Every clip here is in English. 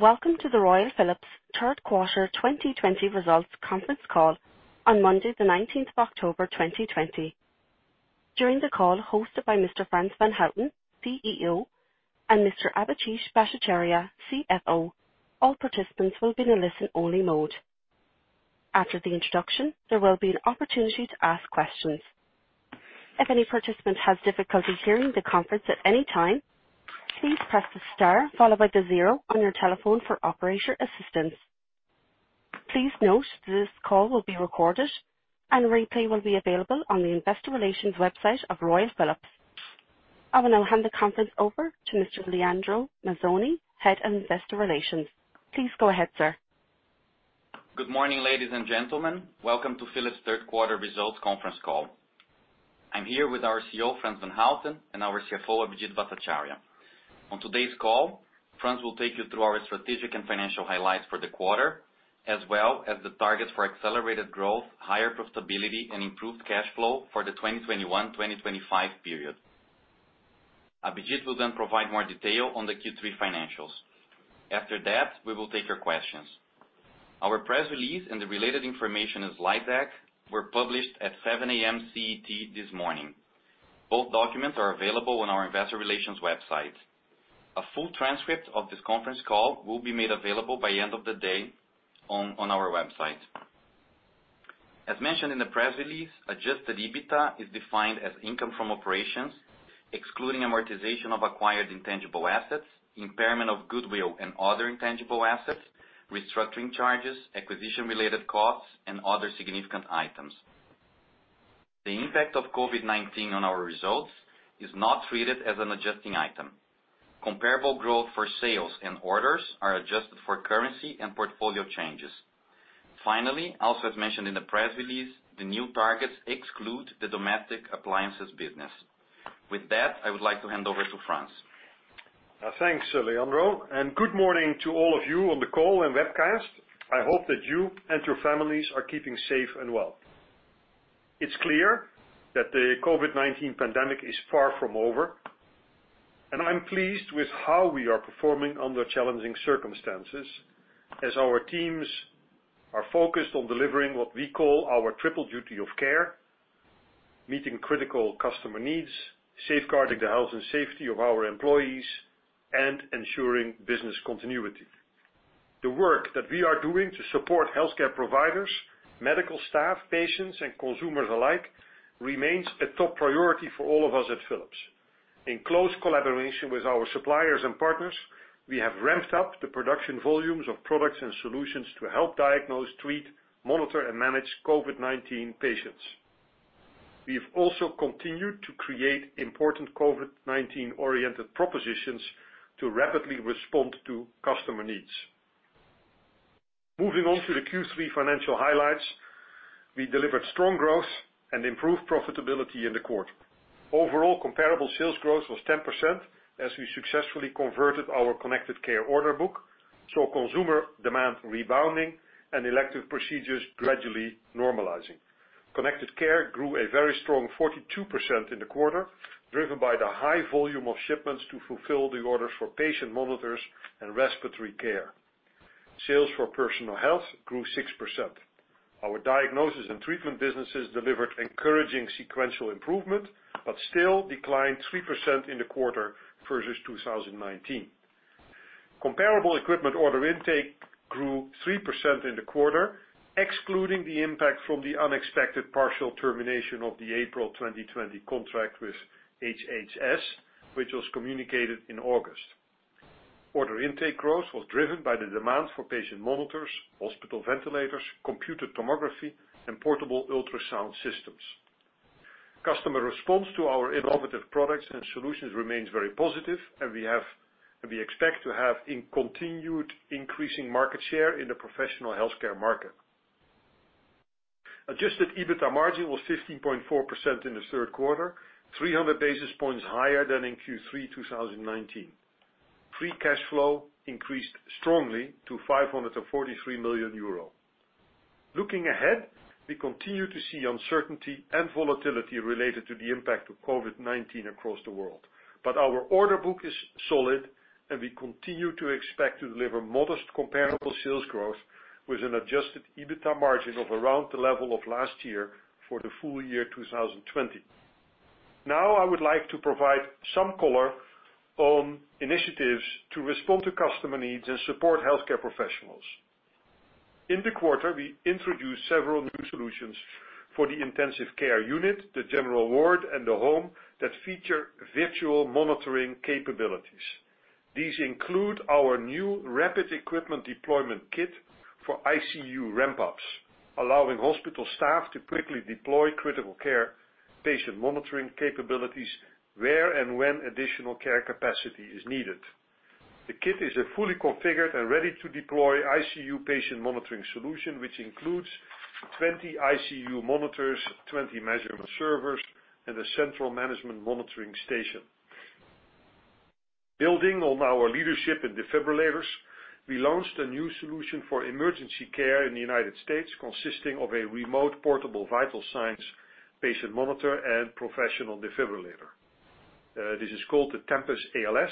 Welcome to the Royal Philips third quarter 2020 results conference call on Monday the 19th of October, 2020. During the call hosted by Mr. Frans van Houten, CEO, and Mr. Abhijit Bhattacharya, CFO, all participants will be in a listen-only mode. After the introduction, there will be an opportunity to ask questions. I will now hand the conference over to Mr. Leandro Mazzoni, Head of Investor Relations. Please go ahead, sir. Good morning, ladies and gentlemen. Welcome to Philips' third quarter results conference call. I'm here with our CEO, Frans van Houten, and our CFO, Abhijit Bhattacharya. On today's call, Frans will take you through our strategic and financial highlights for the quarter, as well as the targets for accelerated growth, higher profitability, and improved cash flow for the 2021, 2025 period. Abhijit will then provide more detail on the Q3 financials. After that, we will take your questions. Our press release and the related information and slide deck were published at 7:00 AM CET this morning. Both documents are available on our investor relations website. A full transcript of this conference call will be made available by end of the day on our website. As mentioned in the press release, adjusted EBITA is defined as income from operations, excluding amortization of acquired intangible assets, impairment of goodwill and other intangible assets, restructuring charges, acquisition related costs, and other significant items. The impact of COVID-19 on our results is not treated as an adjusting item. Comparable growth for sales and orders are adjusted for currency and portfolio changes. Also as mentioned in the press release, the new targets exclude the Domestic Appliances business. With that, I would like to hand over to Frans. Thanks, Leandro. Good morning to all of you on the call and webcast. I hope that you and your families are keeping safe and well. It's clear that the COVID-19 pandemic is far from over, and I'm pleased with how we are performing under challenging circumstances as our teams are focused on delivering what we call our triple duty of care, meeting critical customer needs, safeguarding the health and safety of our employees, and ensuring business continuity. The work that we are doing to support healthcare providers, medical staff, patients, and consumers alike, remains a top priority for all of us at Philips. In close collaboration with our suppliers and partners, we have ramped up the production volumes of products and solutions to help diagnose, treat, monitor, and manage COVID-19 patients. We have also continued to create important COVID-19 oriented propositions to rapidly respond to customer needs. Moving on to the Q3 financial highlights. We delivered strong growth and improved profitability in the quarter. Overall, comparable sales growth was 10% as we successfully converted our Connected Care order book, saw consumer demand rebounding and elective procedures gradually normalizing. Connected Care grew a very strong 42% in the quarter, driven by the high volume of shipments to fulfill the orders for patient monitors and respiratory care. Sales for Personal Health grew 6%. Our Diagnosis & Treatment businesses delivered encouraging sequential improvement, but still declined 3% in the quarter versus 2019. Comparable equipment order intake grew 3% in the quarter, excluding the impact from the unexpected partial termination of the April 2020 contract with HHS, which was communicated in August. Order intake growth was driven by the demand for patient monitors, hospital ventilators, computerd tomography, and portable ultrasound systems. Customer response to our innovative products and solutions remains very positive, and we expect to have continued increasing market share in the professional healthcare market. Adjusted EBITA margin was 15.4% in the third quarter, 300 basis points higher than in Q3 2019. Free cash flow increased strongly to 543 million euro. Looking ahead, we continue to see uncertainty and volatility related to the impact of COVID-19 across the world. Our order book is solid, and we continue to expect to deliver modest comparable sales growth with an adjusted EBITA margin of around the level of last year for the full year 2020. I would like to provide some color on initiatives to respond to customer needs and support healthcare professionals. In the quarter, we introduced several new solutions for the intensive care unit, the general ward, and the home that feature virtual monitoring capabilities. These include our new rapid equipment deployment kit for ICU ramp-ups, allowing hospital staff to quickly deploy critical care patient monitoring capabilities where and when additional care capacity is needed. The kit is a fully configured and ready-to-deploy ICU patient monitoring solution, which includes 20 ICU monitors, 20 measurement servers, and a central management monitoring station. Building on our leadership in defibrillators. We launched a new solution for emergency care in the United States, consisting of a remote portable vital signs patient monitor and professional defibrillator. This is called the Tempus ALS.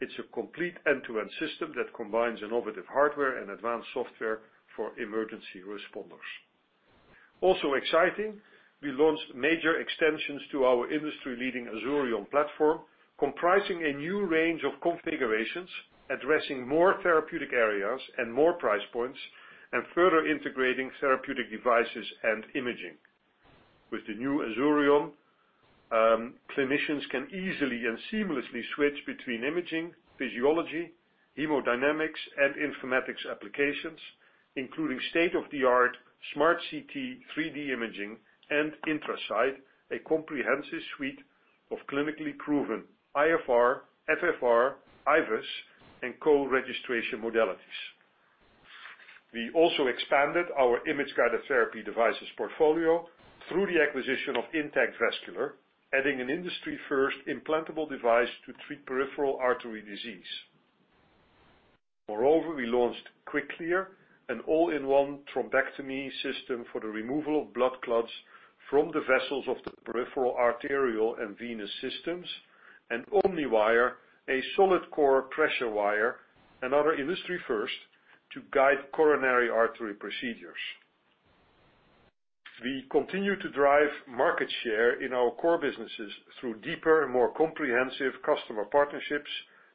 It's a complete end-to-end system that combines innovative hardware and advanced software for emergency responders. Also exciting, we launched major extensions to our industry-leading Azurion platform, comprising a new range of configurations, addressing more therapeutic areas and more price points, and further integrating therapeutic devices and imaging. With the new Azurion, clinicians can easily and seamlessly switch between imaging, physiology, hemodynamics, and informatics applications, including state-of-the-art SmartCT 3D imaging and IntraSight, a comprehensive suite of clinically proven iFR, FFR, IVUS, and co-registration modalities. We also expanded our image-guided therapy devices portfolio through the acquisition of Intact Vascular, adding an industry first implantable device to treat peripheral artery disease. Moreover, we launched QuickClear, an all-in-one thrombectomy system for the removal of blood clots from the vessels of the peripheral arterial and venous systems, and OmniWire, a solid-core pressure wire, another industry first, to guide coronary artery procedures. We continue to drive market share in our core businesses through deeper and more comprehensive customer partnerships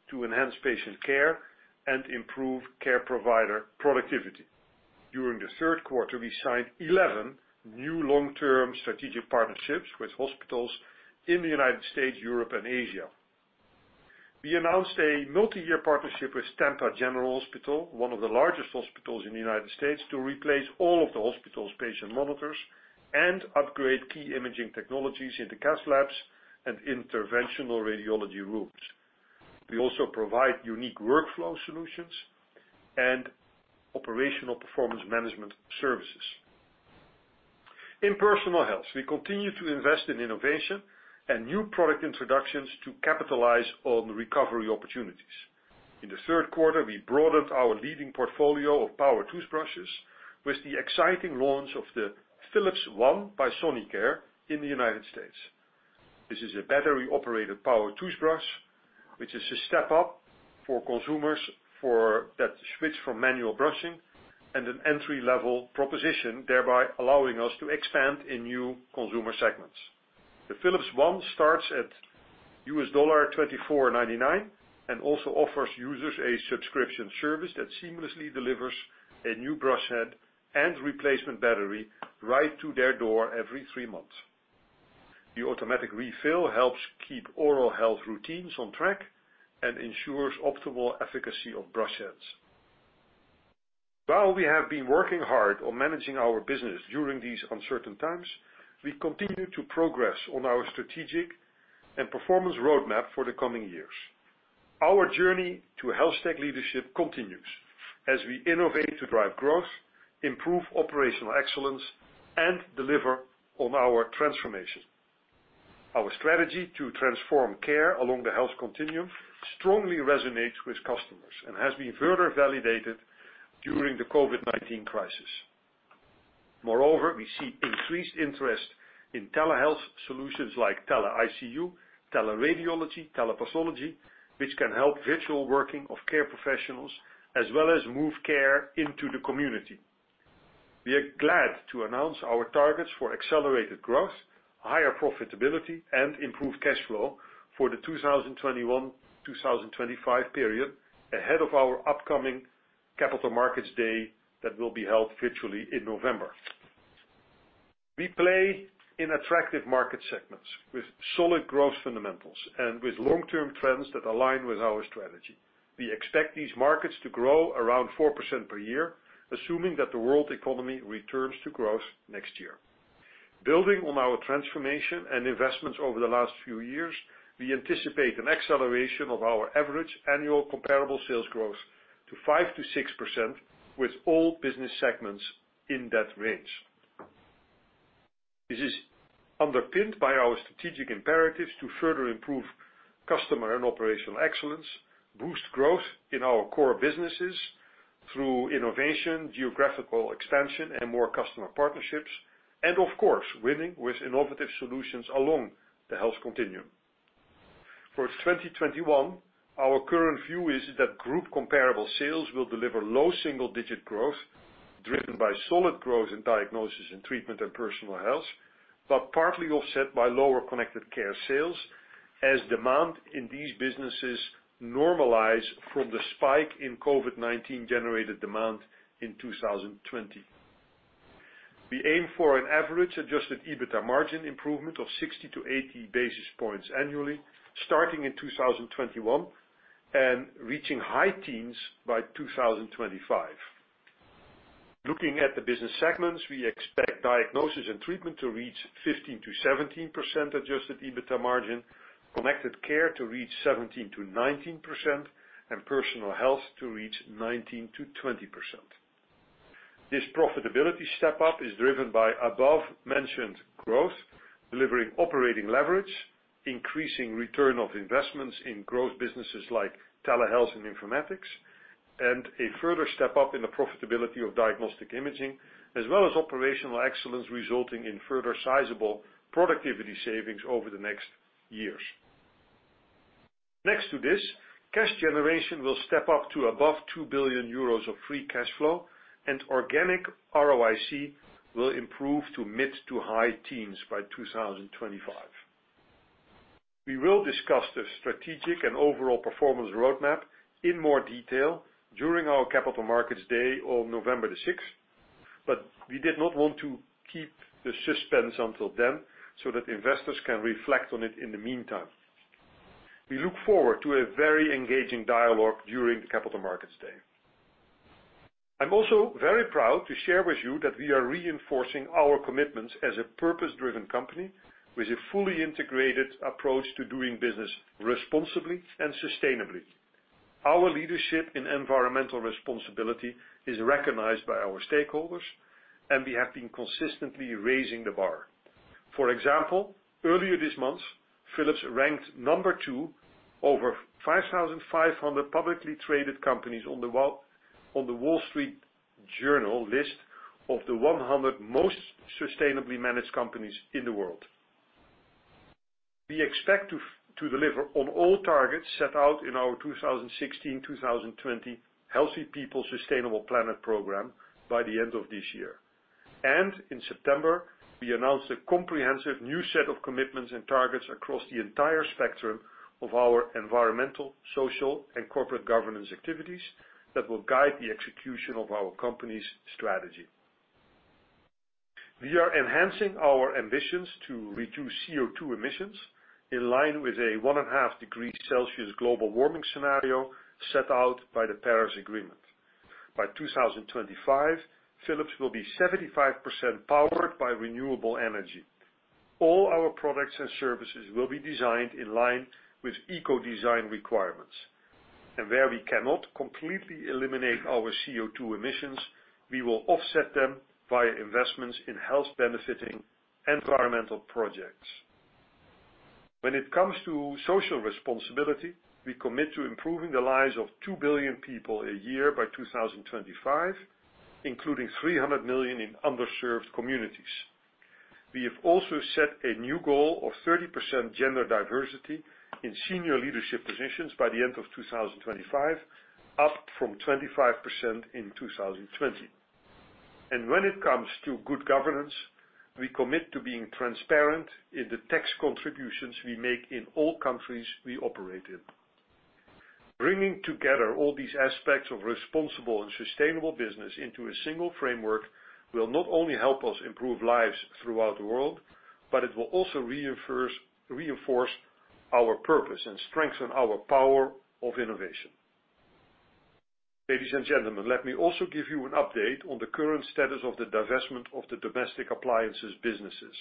to enhance patient care and improve care provider productivity. During the third quarter, we signed 11 new long-term strategic partnerships with hospitals in the U.S., Europe, and Asia. We announced a multi-year partnership with Tampa General Hospital, one of the largest hospitals in the U.S., to replace all of the hospital's patient monitors and upgrade key imaging technologies in the cath labs and interventional radiology rooms. We also provide unique workflow solutions and operational performance management services. In Personal Health, we continue to invest in innovation and new product introductions to capitalize on recovery opportunities. In the third quarter, we broadened our leading portfolio of power toothbrushes with the exciting launch of the Philips One by Sonicare in the U.S. This is a battery-operated power toothbrush, which is a step up for consumers that switch from manual brushing and an entry-level proposition, thereby allowing us to expand in new consumer segments. The Philips One starts at $24.99 and also offers users a subscription service that seamlessly delivers a new brush head and replacement battery right to their door every three months. The automatic refill helps keep oral health routines on track and ensures optimal efficacy of brush heads. While we have been working hard on managing our business during these uncertain times, we continue to progress on our strategic and performance roadmap for the coming years. Our journey to health tech leadership continues as we innovate to drive growth, improve operational excellence, and deliver on our transformation. Our strategy to transform care along the health continuum strongly resonates with customers and has been further validated during the COVID-19 crisis. Moreover, we see increased interest in telehealth solutions like tele-ICU, tele-radiology, tele-pathology, which can help virtual working of care professionals, as well as move care into the community. We are glad to announce our targets for accelerated growth, higher profitability, and improved cash flow for the 2021 to 2025 period, ahead of our upcoming Capital Markets Day that will be held virtually in November. We play in attractive market segments with solid growth fundamentals and with long-term trends that align with our strategy. We expect these markets to grow around 4% per year, assuming that the world economy returns to growth next year. Building on our transformation and investments over the last few years, we anticipate an acceleration of our average annual comparable sales growth to 5% to 6%, with all business segments in that range. Of course, winning with innovative solutions along the health continuum. For 2021, our current view is that group comparable sales will deliver low single-digit growth, driven by solid growth in Diagnosis & Treatment and Personal Health, but partly offset by lower Connected Care sales as demand in these businesses normalize from the spike in COVID-19-generated demand in 2020. We aim for an average adjusted EBITA margin improvement of 60 to 80 basis points annually, starting in 2021 and reaching high teens by 2025. Looking at the business segments, we expect Diagnosis & Treatment to reach 15% to 17% adjusted EBITA margin, Connected Care to reach 17% to 19%, and Personal Health to reach 19% to 20%. This profitability step up is driven by above-mentioned growth, delivering operating leverage, increasing return of investments in growth businesses like telehealth and informatics, and a further step up in the profitability of diagnostic imaging, as well as operational excellence resulting in further sizable productivity savings over the next years. Next to this, cash generation will step up to above 2 billion euros of free cash flow, and organic ROIC will improve to mid to high teens by 2025. We will discuss the strategic and overall performance roadmap in more detail during our Capital Markets Day on November the 6th. We did not want to keep the suspense until then so that investors can reflect on it in the meantime. We look forward to a very engaging dialogue during the Capital Markets Day. I'm also very proud to share with you that we are reinforcing our commitments as a purpose-driven company with a fully integrated approach to doing business responsibly and sustainably. Our leadership in environmental responsibility is recognized by our stakeholders, and we have been consistently raising the bar. For example, earlier this month, Philips ranked number two over 5,500 publicly traded companies on The Wall Street Journal list of the 100 most sustainably managed companies in the world. We expect to deliver on all targets set out in our 2016, 2020 Healthy People Sustainable Planet program by the end of this year. In September, we announced a comprehensive new set of commitments and targets across the entire spectrum of our environmental, social, and corporate governance activities that will guide the execution of our company's strategy. We are enhancing our ambitions to reduce CO2 emissions in line with a 1.5 degrees Celsius global warming scenario set out by the Paris Agreement. By 2025, Philips will be 75% powered by renewable energy. All our products and services will be designed in line with eco-design requirements. Where we cannot completely eliminate our CO2 emissions, we will offset them via investments in health-benefiting environmental projects. When it comes to social responsibility, we commit to improving the lives of two billion people a year by 2025, including 300 million in underserved communities. We have also set a new goal of 30% gender diversity in senior leadership positions by the end of 2025, up from 25% in 2020. When it comes to good governance, we commit to being transparent in the tax contributions we make in all countries we operate in. Bringing together all these aspects of responsible and sustainable business into a single framework will not only help us improve lives throughout the world, but it will also reinforce our purpose and strengthen our power of innovation. Ladies and gentlemen, let me also give you an update on the current status of the divestment of the Domestic Appliances businesses.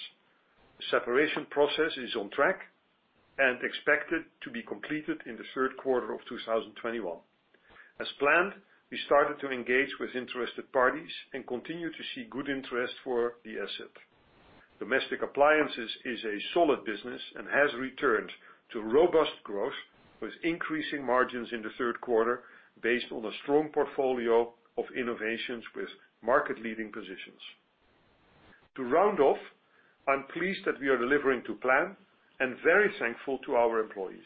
The separation process is on track and expected to be completed in the third quarter of 2021. As planned, we started to engage with interested parties and continue to see good interest for the asset. Domestic Appliances is a solid business and has returned to robust growth with increasing margins in the third quarter based on a strong portfolio of innovations with market-leading positions. To round off, I'm pleased that we are delivering to plan and very thankful to our employees.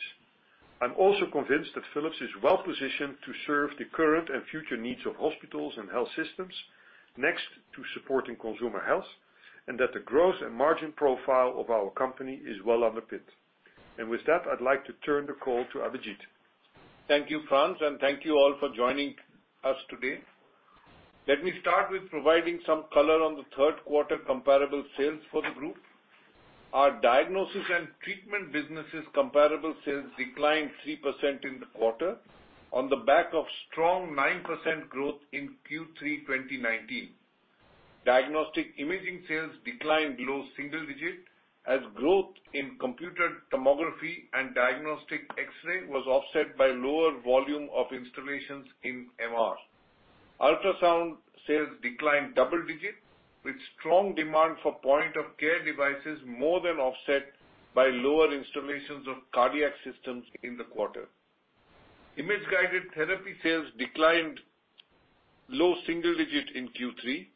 I'm also convinced that Philips is well-positioned to serve the current and future needs of hospitals and health systems next to supporting consumer health, and that the growth and margin profile of our company is well underpinned. With that, I'd like to turn the call to Abhijit. Thank you, Frans, and thank you all for joining us today. Let me start with providing some color on the third quarter comparable sales for the group. Our Diagnosis & Treatment businesses comparable sales declined 3% in the quarter on the back of strong 9% growth in Q3 2019. Diagnostic imaging sales declined low single digit as growth in computed tomography and diagnostic X-ray was offset by lower volume of installations in MR. Ultrasound sales declined double digit, with strong demand for point-of-care devices more than offset by lower installations of cardiac systems in the quarter. Image-Guided Therapy sales declined low single digit in Q3.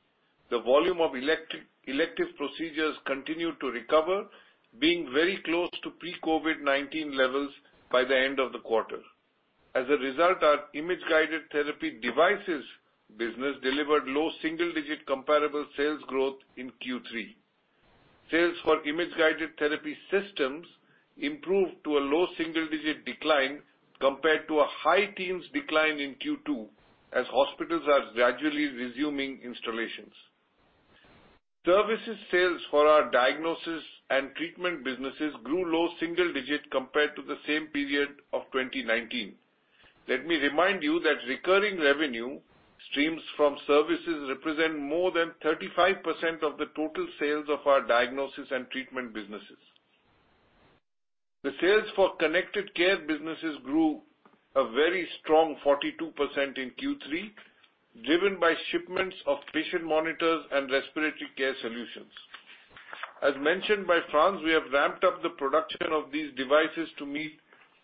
The volume of elective procedures continued to recover, being very close to pre-COVID-19 levels by the end of the quarter. As a result, our Image-Guided Therapy devices business delivered low single digit comparable sales growth in Q3. Sales for Image-Guided Therapy systems improved to a low single-digit decline compared to a high-teens decline in Q2 as hospitals are gradually resuming installations. Services sales for our Diagnosis & Treatment businesses grew low single-digit compared to the same period of 2019. Let me remind you that recurring revenue streams from services represent more than 35% of the total sales of our Diagnosis & Treatment businesses. The sales for Connected Care businesses grew a very strong 42% in Q3, driven by shipments of patient monitors and respiratory care solutions. As mentioned by Frans, we have ramped up the production of these devices to meet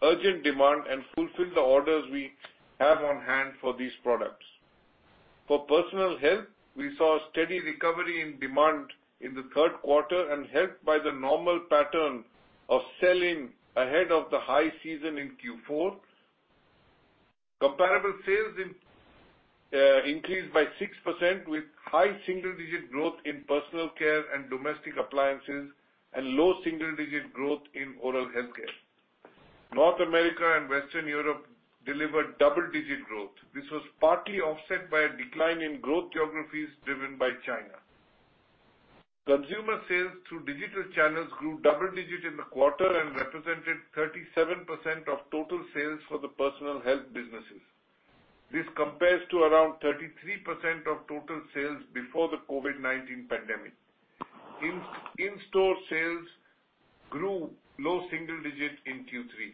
urgent demand and fulfill the orders we have on hand for these products. For Personal Health, we saw a steady recovery in demand in the third quarter and helped by the normal pattern of selling ahead of the high season in Q4. Comparable sales increased by 6% with high single-digit growth in Personal Care and Domestic Appliances and low single-digit growth in Oral Healthcare. North America and Western Europe delivered double-digit growth. This was partly offset by a decline in growth geographies driven by China. Consumer sales through digital channels grew double-digit in the quarter and represented 37% of total sales for the Personal Health businesses. This compares to around 33% of total sales before the COVID-19 pandemic. In-store sales grew low single digits in Q3.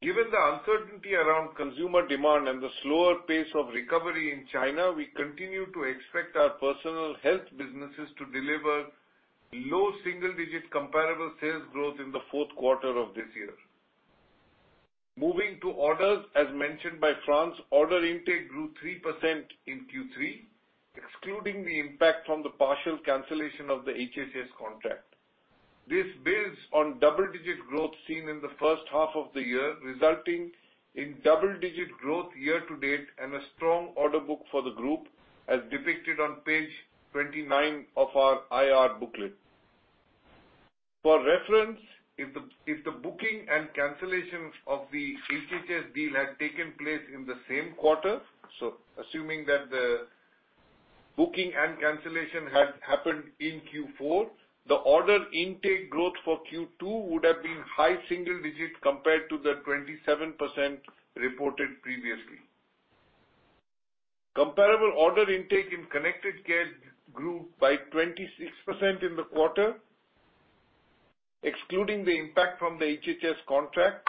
Given the uncertainty around consumer demand and the slower pace of recovery in China, we continue to expect our Personal Health businesses to deliver low single-digit comparable sales growth in the fourth quarter of this year. Moving to orders, as mentioned by Frans, order intake grew 3% in Q3, excluding the impact from the partial cancellation of the HHS contract. This builds on double-digit growth seen in the first half of the year, resulting in double-digit growth year-to-date and a strong order book for the group, as depicted on page 29 of our IR booklet. For reference, if the booking and cancellations of the HHS deal had taken place in the same quarter, so assuming that the booking and cancellation had happened in Q4, the order intake growth for Q2 would have been high single digits compared to the 27% reported previously. Comparable order intake in Connected Care grew by 26% in the quarter, excluding the impact from the HHS contract,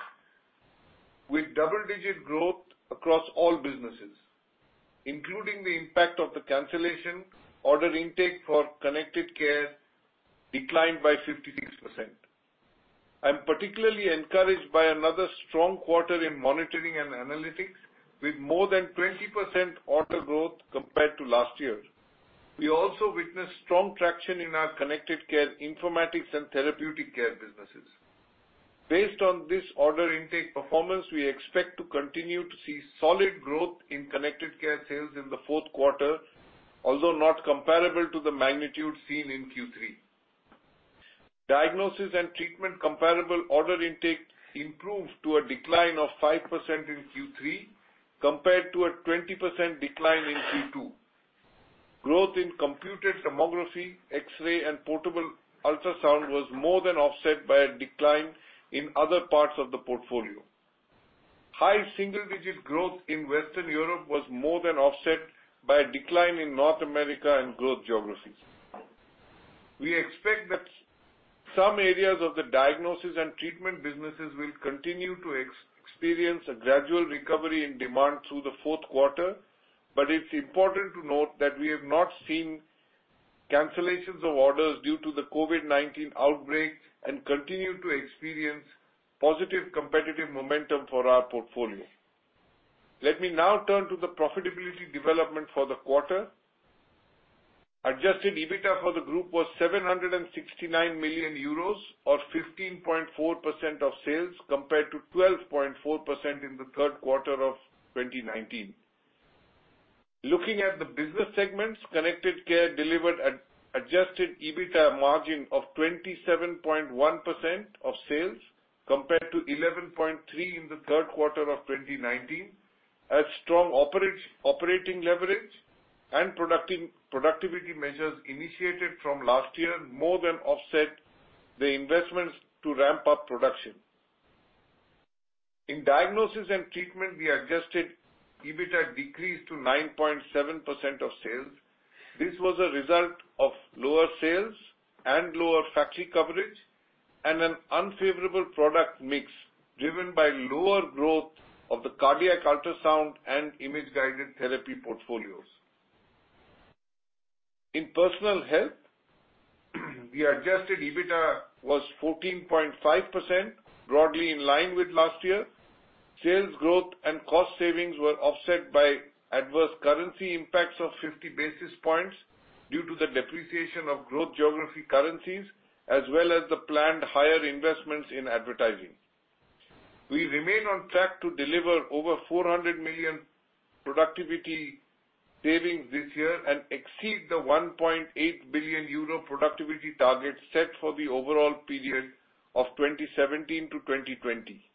with double-digit growth across all businesses. Including the impact of the cancellation, order intake for Connected Care declined by 56%. I'm particularly encouraged by another strong quarter in monitoring and analytics, with more than 20% order growth compared to last year. We also witnessed strong traction in our Connected Care Informatics and Therapeutic Care businesses. Based on this order intake performance, we expect to continue to see solid growth in Connected Care sales in the fourth quarter, although not comparable to the magnitude seen in Q3. Diagnosis & Treatment comparable order intake improved to a decline of 5% in Q3 compared to a 20% decline in Q2. Growth in computed tomography, X-ray, and portable ultrasound was more than offset by a decline in other parts of the portfolio. High single-digit growth in Western Europe was more than offset by a decline in North America and growth geographies. We expect that some areas of the Diagnosis & Treatment businesses will continue to experience a gradual recovery in demand through the fourth quarter. It's important to note that we have not seen cancellations of orders due to the COVID-19 outbreak and continue to experience positive competitive momentum for our portfolio. Let me now turn to the profitability development for the quarter. Adjusted EBITA for the group was 769 million euros, or 15.4% of sales, compared to 12.4% in the third quarter of 2019. Looking at the business segments, Connected Care delivered an adjusted EBITA margin of 27.1% of sales, compared to 11.3% in the third quarter of 2019, as strong operating leverage and productivity measures initiated from last year more than offset the investments to ramp up production. In Diagnosis & Treatment, the adjusted EBITA decreased to 9.7% of sales. This was a result of lower sales and lower factory coverage and an unfavorable product mix driven by lower growth of the cardiac ultrasound and Image-Guided Therapy portfolios. In Personal Health, the adjusted EBITA was 14.5%, broadly in line with last year. Sales growth and cost savings were offset by adverse currency impacts of 50 basis points due to the depreciation of growth geography currencies, as well as the planned higher investments in advertising. We remain on track to deliver over 400 million productivity savings this year and exceed the 1.8 billion euro productivity target set for the overall period of 2017 to 2020.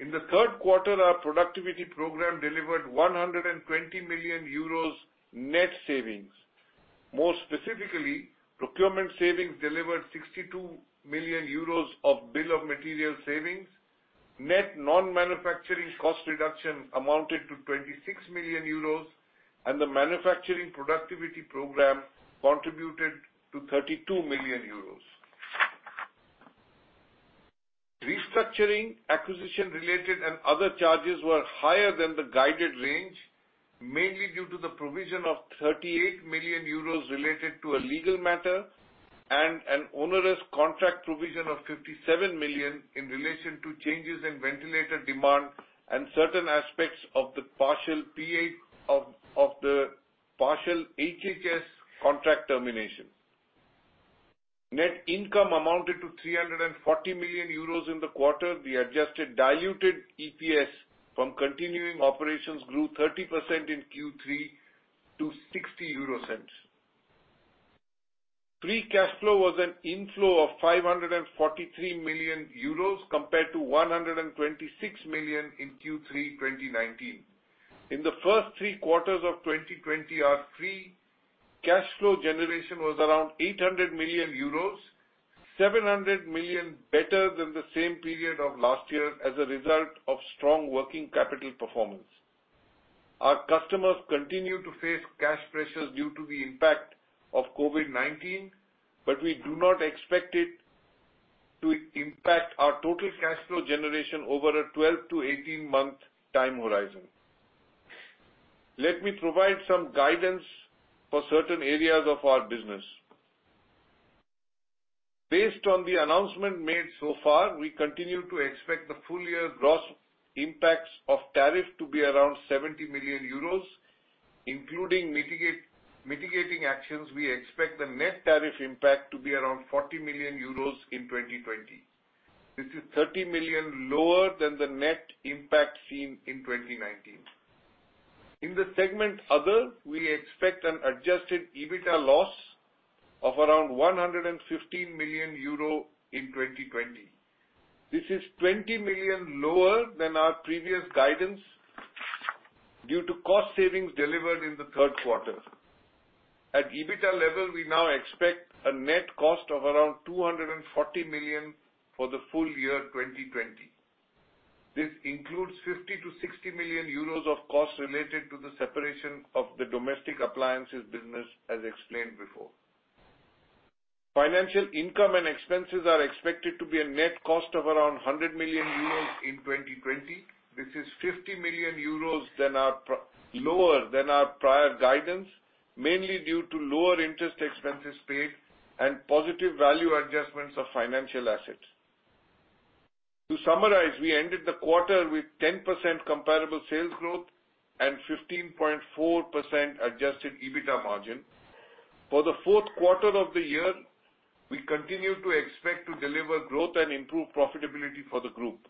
In the third quarter, our productivity program delivered 120 million euros net savings. More specifically, procurement savings delivered 62 million euros of bill of material savings. Net non-manufacturing cost reduction amounted to 26 million euros, and the manufacturing productivity program contributed to 32 million euros. Restructuring, acquisition-related, and other charges were higher than the guided range, mainly due to the provision of 38 million euros related to a legal matter and an onerous contract provision of 57 million in relation to changes in ventilator demand and certain aspects of the partial HHS contract termination. Net income amounted to 340 million euros in the quarter. The adjusted diluted EPS from continuing operations grew 30% in Q3 to 0.60. Free cash flow was an inflow of 543 million euros compared to 126 million in Q3 2019. In the first three quarters of 2020, our free cash flow generation was around 800 million euros, 700 million better than the same period of last year as a result of strong working capital performance. Our customers continue to face cash pressures due to the impact of COVID-19. We do not expect it to impact our total cash flow generation over a 12 to 18 month time horizon. Let me provide some guidance for certain areas of our business. Based on the announcement made so far, we continue to expect the full-year gross impacts of tariff to be around 70 million euros, including mitigating actions, we expect the net tariff impact to be around 40 million euros in 2020. This is 30 million lower than the net impact seen in 2019. In the segment Other, we expect an adjusted EBITA loss of around 115 million euro in 2020. This is 20 million lower than our previous guidance due to cost savings delivered in the third quarter. At EBITA level, we now expect a net cost of around 240 million for the full year 2020. This includes 50 million to 60 million euros of costs related to the separation of the Domestic Appliances business as explained before. Financial income and expenses are expected to be a net cost of around 100 million euros in 2020. This is 50 million euros lower than our prior guidance, mainly due to lower interest expenses paid and positive value adjustments of financial assets. To summarize, we ended the quarter with 10% comparable sales growth and 15.4% adjusted EBITA margin. For the fourth quarter of the year, we continue to expect to deliver growth and improve profitability for the group.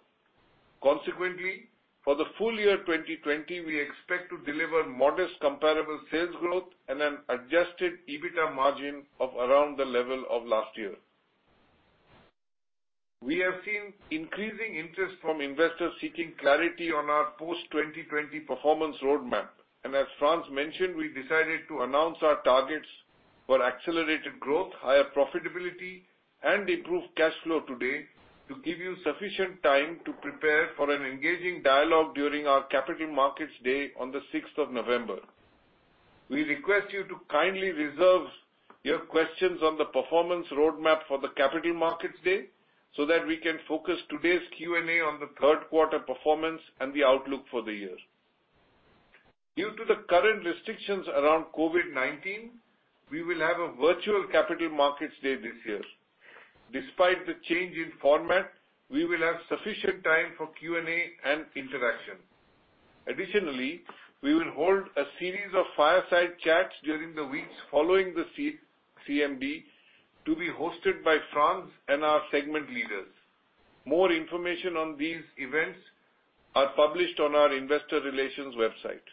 Consequently, for the full year 2020, we expect to deliver modest comparable sales growth and an adjusted EBITA margin of around the level of last year. We have seen increasing interest from investors seeking clarity on our post-2020 performance roadmap. As Frans mentioned, we decided to announce our targets for accelerated growth, higher profitability, and improved cash flow today to give you sufficient time to prepare for an engaging dialogue during our Capital Markets Day on the 6 of November. We request you to kindly reserve your questions on the performance roadmap for the Capital Markets Day so that we can focus today's Q&A on the third quarter performance and the outlook for the year. Due to the current restrictions around COVID-19, we will have a virtual Capital Markets Day this year. Despite the change in format, we will have sufficient time for Q&A and interaction. Additionally, we will hold a series of fireside chats during the weeks following the CMD to be hosted by Frans and our segment leaders. More information on these events are published on our investor relations website.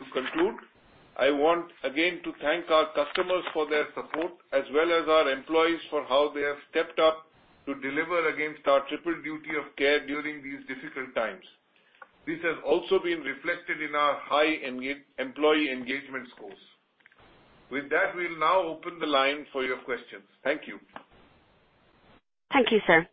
To conclude, I want again to thank our customers for their support as well as our employees for how they have stepped up to deliver against our triple duty of care during these difficult times. This has also been reflected in our high employee engagement scores. With that, we will now open the line for your questions. Thank you. Thank you, sir.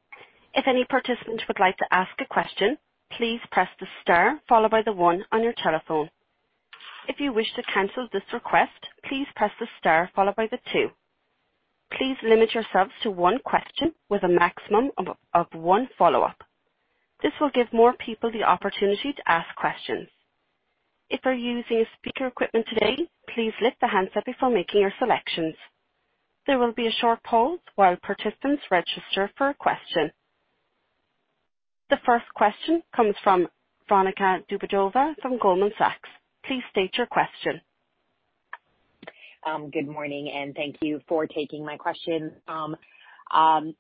The first question comes from Veronika Dubajova from Goldman Sachs. Please state your question. Good morning and thank you for taking my question. I'd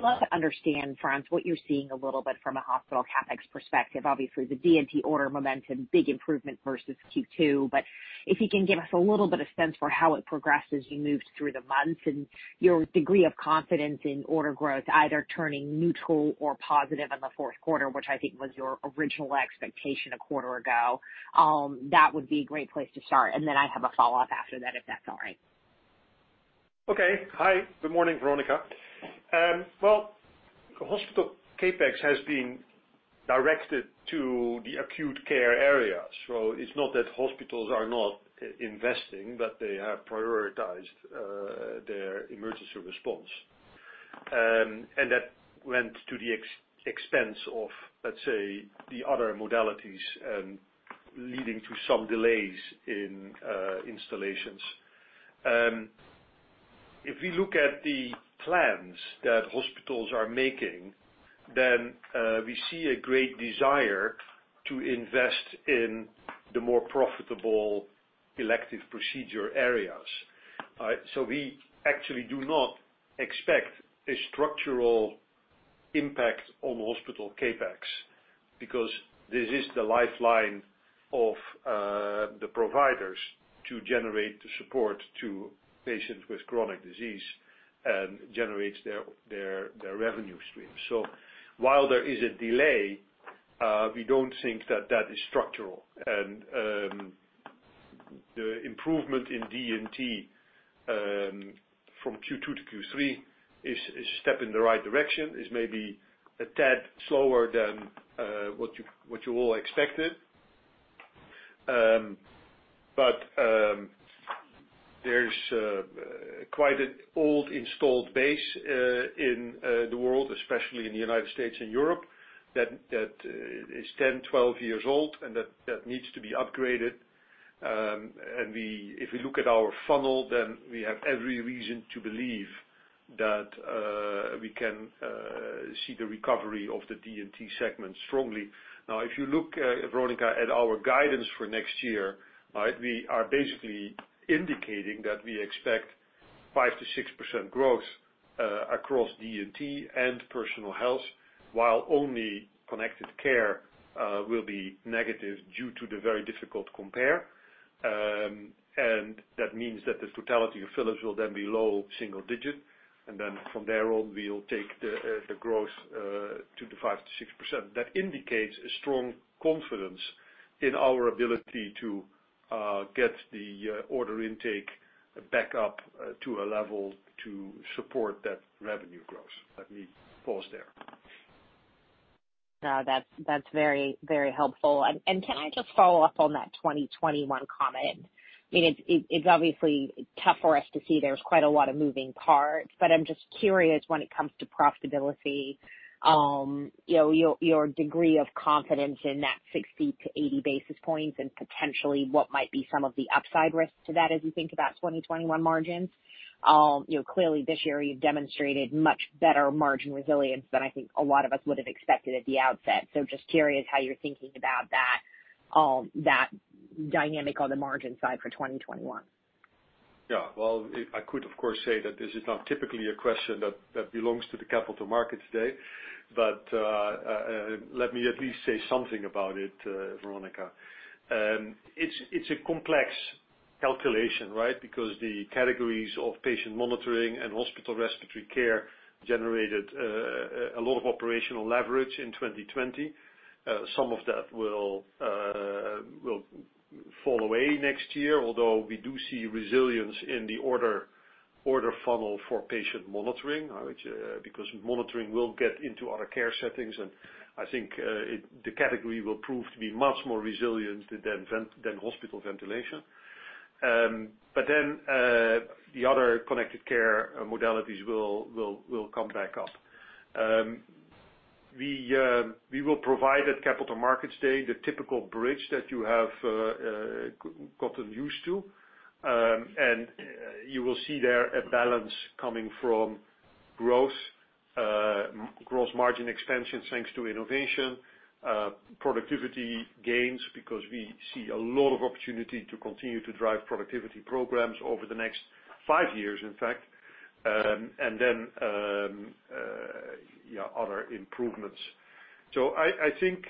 love to understand, Frans, what you're seeing a little bit from a hospital CapEx perspective. Obviously, the D&T order momentum, big improvement versus Q2. If you can give us a little bit of sense for how it progresses as you moved through the months and your degree of confidence in order growth, either turning neutral or positive in the fourth quarter, which I think was your original expectation a quarter ago. That would be a great place to start. Then I have a follow-up after that, if that's all right. Okay. Hi, good morning, Veronika. Well, hospital CapEx has been directed to the acute care area. It's not that hospitals are not investing, but they have prioritized their emergency response. That went to the expense of, let's say, the other modalities, leading to some delays in installations. If we look at the plans that hospitals are making, we see a great desire to invest in the more profitable elective procedure areas. We actually do not expect a structural impact on hospital CapEx because this is the lifeline of the providers to generate the support to patients with chronic disease and generates their revenue stream. While there is a delay, we don't think that that is structural. The improvement in D&T from Q2 to Q3 is a step in the right direction, is maybe a tad slower than what you all expected. There's quite an old installed base in the world, especially in the U.S. and Europe, that is 10, 12 years old, and that needs to be upgraded. If we look at our funnel, then we have every reason to believe that we can see the recovery of the D&T segment strongly. If you look, Veronika, at our guidance for next year, we are basically indicating that we expect 5% to 6% growth, across D&T and Personal Health, while only Connected Care will be negative due to the very difficult compare. That means that the totality of Philips will then be low single digit. From there on, we'll take the growth to the 5% to 6%. That indicates a strong confidence in our ability to get the order intake back up to a level to support that revenue growth. Let me pause there. No, that's very helpful. Can I just follow up on that 2021 comment? It's obviously tough for us to see. There's quite a lot of moving parts, but I'm just curious when it comes to profitability, your degree of confidence in that 60 to 80 basis points and potentially what might be some of the upside risks to that as you think about 2021 margins. Clearly this year you've demonstrated much better margin resilience than I think a lot of us would have expected at the outset. I'm just curious how you're thinking about that dynamic on the margin side for 2021. Yeah. Well, I could, of course, say that this is not typically a question that belongs to the Capital Markets Day, let me at least say something about it, Veronika. It's a complex calculation, right? The categories of patient monitoring and hospital respiratory care generated a lot of operational leverage in 2020. Some of that will fall away next year. We do see resilience in the order funnel for patient monitoring, because monitoring will get into other care settings, and I think, the category will prove to be much more resilient than hospital ventilation. The other Connected Care modalities will come back up. We will provide at Capital Markets Day the typical bridge that you have gotten used to. You will see there a balance coming from growth, gross margin expansion thanks to innovation, productivity gains, because we see a lot of opportunity to continue to drive productivity programs over the next five years, in fact. Other improvements. I think,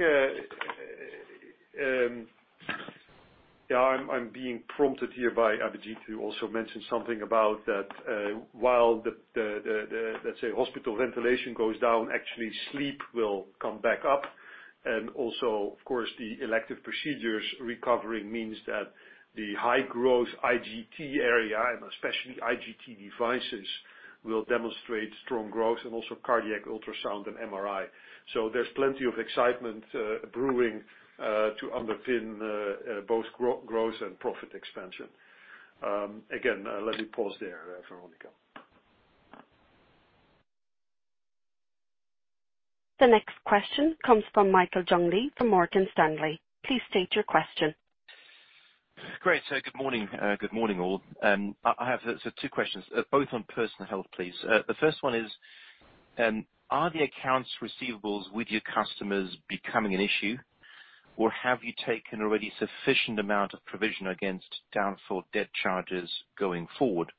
I'm being prompted here by Abhijit, who also mentioned something about that, while the, let's say, hospital ventilation goes down, actually sleep will come back up. Also, of course, the elective procedures recovering means that the high-growth IGT area and especially IGT devices, will demonstrate strong growth and also cardiac, ultrasound, and MRI. There's plenty of excitement brewing to underpin both growth and profit expansion. Again, let me pause there, Veronika. The next question comes from Michael Jeong Lee from Morgan Stanley. Please state your question. Great. Good morning, all. I have two questions, both on Personal Health, please. The first one is, are the accounts receivables with your customers becoming an issue, or have you taken already sufficient amount of provision against doubtful debt charges going forward,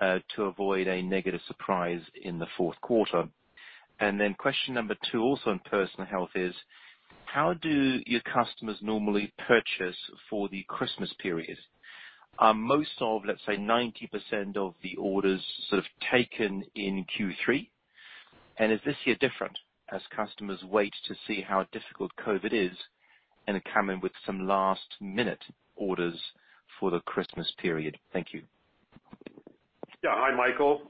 to avoid a negative surprise in the fourth quarter? Question number two, also on Personal Health is, how do your customers normally purchase for the Christmas period? Most of, let's say, 90% of the orders sort of taken in Q3? Is this year different as customers wait to see how difficult COVID is, and they come in with some last-minute orders for the Christmas period? Thank you. Hi, Michael.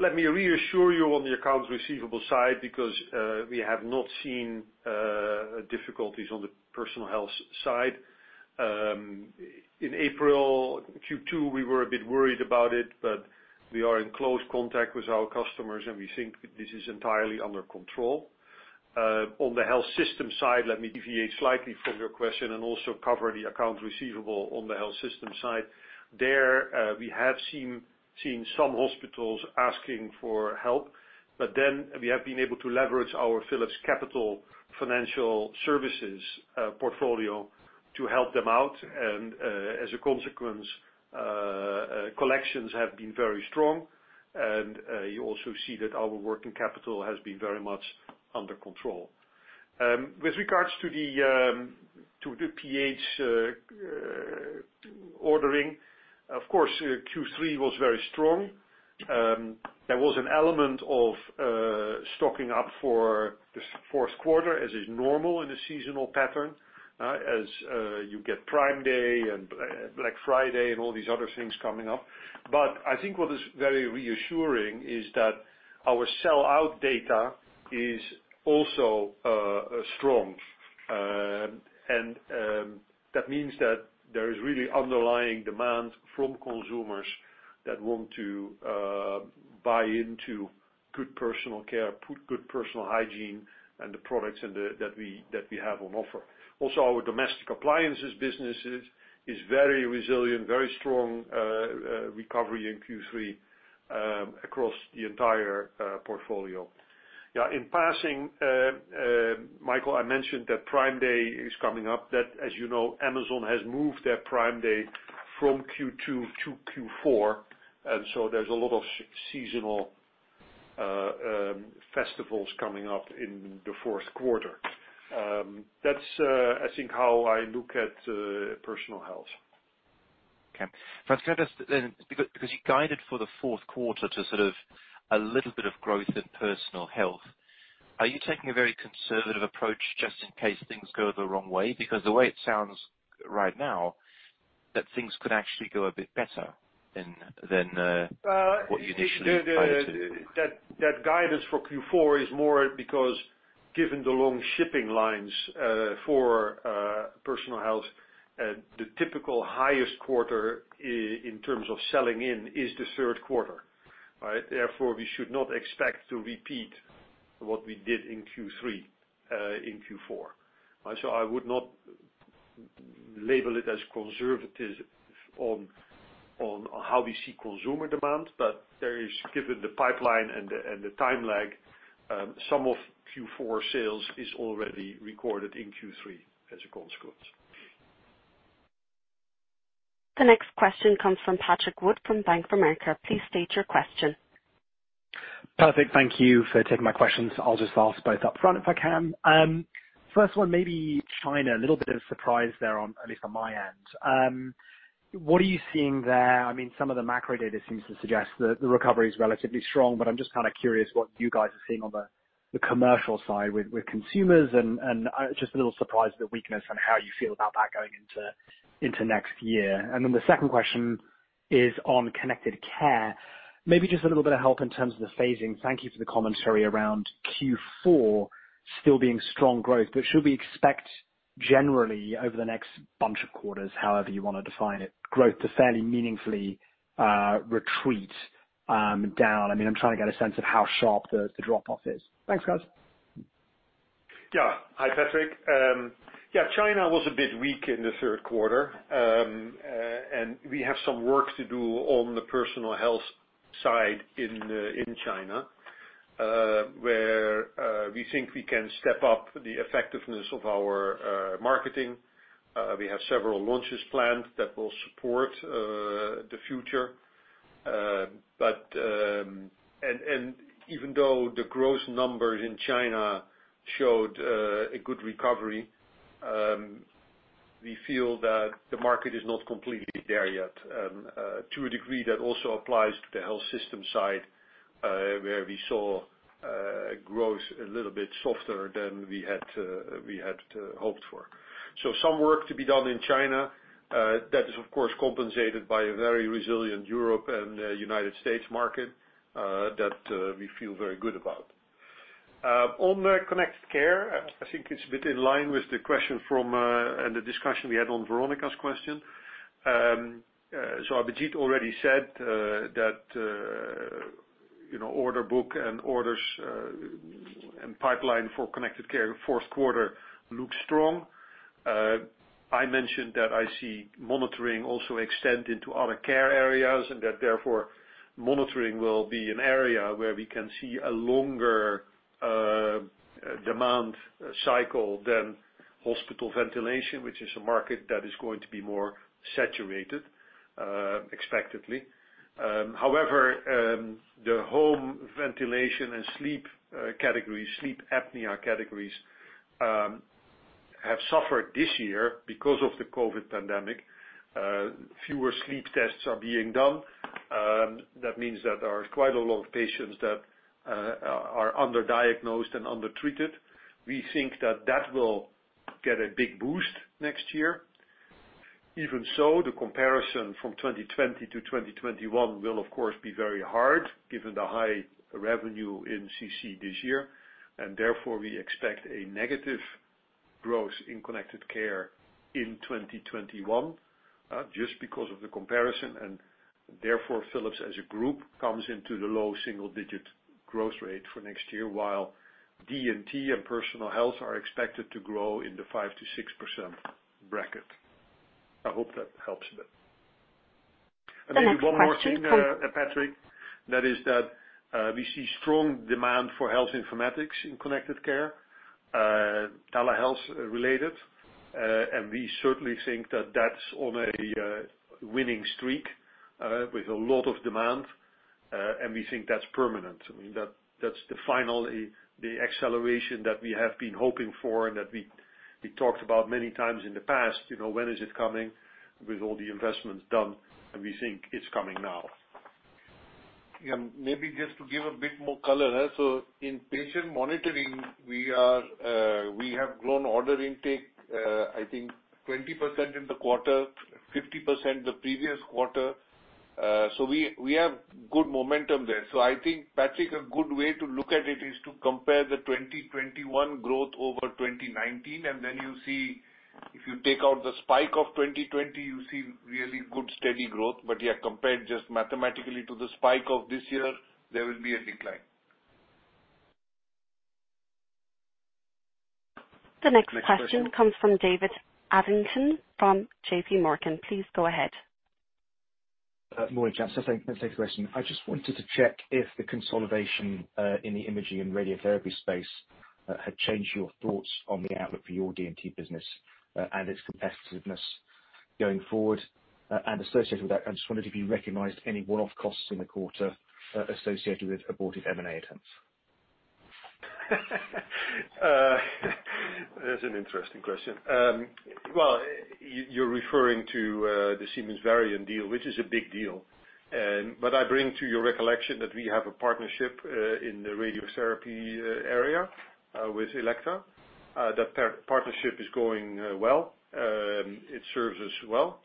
Let me reassure you on the accounts receivable side, because we have not seen difficulties on the Personal Health side. In April, Q2, we were a bit worried about it. We are in close contact with our customers, we think this is entirely under control. On the health system side, let me deviate slightly from your question and also cover the accounts receivable on the health system side. There, we have seen some hospitals asking for help. We have been able to leverage our Philips Capital Financial Services portfolio to help them out, as a consequence, collections have been very strong. You also see that our working capital has been very much under control. With regards to the PH ordering, of course, Q3 was very strong. There was an element of stocking up for this fourth quarter as is normal in a seasonal pattern. You get Prime Day and Black Friday and all these other things coming up. I think what is very reassuring is that our sellout data is also strong. That means that there is really underlying demand from consumers that want to buy into good personal care, good personal hygiene, and the products that we have on offer. Also, our Domestic Appliances businesses is very resilient, very strong recovery in Q3, across the entire portfolio. In passing, Michael, I mentioned that Prime Day is coming up, that, as you know, Amazon has moved their Prime Day from Q2 to Q4, and so there's a lot of seasonal festivals coming up in the fourth quarter. That's, I think, how I look at Personal Health. Okay. Frans, can I just then, because you guided for the fourth quarter to sort of a little bit of growth in Personal Health, are you taking a very conservative approach just in case things go the wrong way, because the way it sounds right now, that things could actually go a bit better than what you initially guided to? That guidance for Q4 is more because given the long shipping lines for Personal Health, the typical highest quarter in terms of selling in is the third quarter. Therefore, we should not expect to repeat what we did in Q3, in Q4. I would not label it as conservative on how we see consumer demand, but given the pipeline and the time lag, some of Q4 sales is already recorded in Q3 as a consequence. The next question comes from Patrick Wood from Bank of America. Please state your question. Perfect. Thank you for taking my questions. I'll just ask both upfront if I can. The first one, maybe China. A little bit of surprise there, at least on my end. What are you seeing there? Some of the macro data seems to suggest that the recovery is relatively strong, but I'm just kind of curious what you guys are seeing on the commercial side with consumers, and just a little surprised at the weakness and how you feel about that going into next year. The second question is on Connected Care. Maybe just a little bit of help in terms of the phasing. Thank you for the commentary around Q4 still being strong growth, but should we expect generally over the next bunch of quarters, however you want to define it, growth to fairly meaningfully retreat down? I'm trying to get a sense of how sharp the drop-off is. Thanks, guys. Hi, Patrick. China was a bit weak in the third quarter. We have some work to do on the Personal Health side in China, where we think we can step up the effectiveness of our marketing. We have several launches planned that will support the future. Even though the growth numbers in China showed a good recovery, we feel that the market is not completely there yet. To a degree, that also applies to the health system side, where we saw growth a little bit softer than we had hoped for. Some work to be done in China. That is, of course, compensated by a very resilient Europe and United States market that we feel very good about. On Connected Care, I think it's a bit in line with the question from, and the discussion we had on Veronika's question. Abhijit already said that order book and orders and pipeline for Connected Care fourth quarter looks strong. I mentioned that I see monitoring also extend into other care areas, and that therefore, monitoring will be an area where we can see a longer demand cycle than hospital ventilation, which is a market that is going to be more saturated, expectedly. The home ventilation and sleep apnea categories have suffered this year because of the COVID pandemic. Fewer sleep tests are being done. That means that there are quite a lot of patients that are under-diagnosed and under-treated. We think that that will get a big boost next year. The comparison from 2020 to 2021 will of course, be very hard given the high revenue in CC this year. Therefore, we expect a negative growth in Connected Care in 2021, just because of the comparison, therefore, Philips as a group comes into the low single-digit growth rate for next year, while D&T and Personal Health are expected to grow in the 5% to 6% bracket. I hope that helps a bit. The next question. Maybe one more thing, Patrick. That is that we see strong demand for health informatics in Connected Care, tele health-related. We certainly think that that's on a winning streak with a lot of demand, and we think that's permanent. That's the final acceleration that we have been hoping for and that we talked about many times in the past. When is it coming with all the investments done? We think it's coming now. Maybe just to give a bit more color. In patient monitoring, we have grown order intake, I think 20% in the quarter, 50% the previous quarter. We have good momentum there. I think, Patrick, a good way to look at it is to compare the 2021 growth over 2019, and then you see if you take out the spike of 2020, you see really good, steady growth. Yeah, compared just mathematically to the spike of this year, there will be a decline. The next question comes from David Adlington from JPMorgan. Please go ahead. Morning, gents. Thanks. Thanks for taking the question. I just wanted to check if the consolidation in the imaging and radiotherapy space had changed your thoughts on the outlook for your D&T business and its competitiveness going forward? Associated with that, I just wondered if you recognized any one-off costs in the quarter associated with aborted M&A attempts? That's an interesting question. Well, you're referring to the Siemens Varian deal, which is a big deal. I bring to your recollection that we have a partnership in the radiotherapy area with Elekta. That partnership is going well. It serves us well.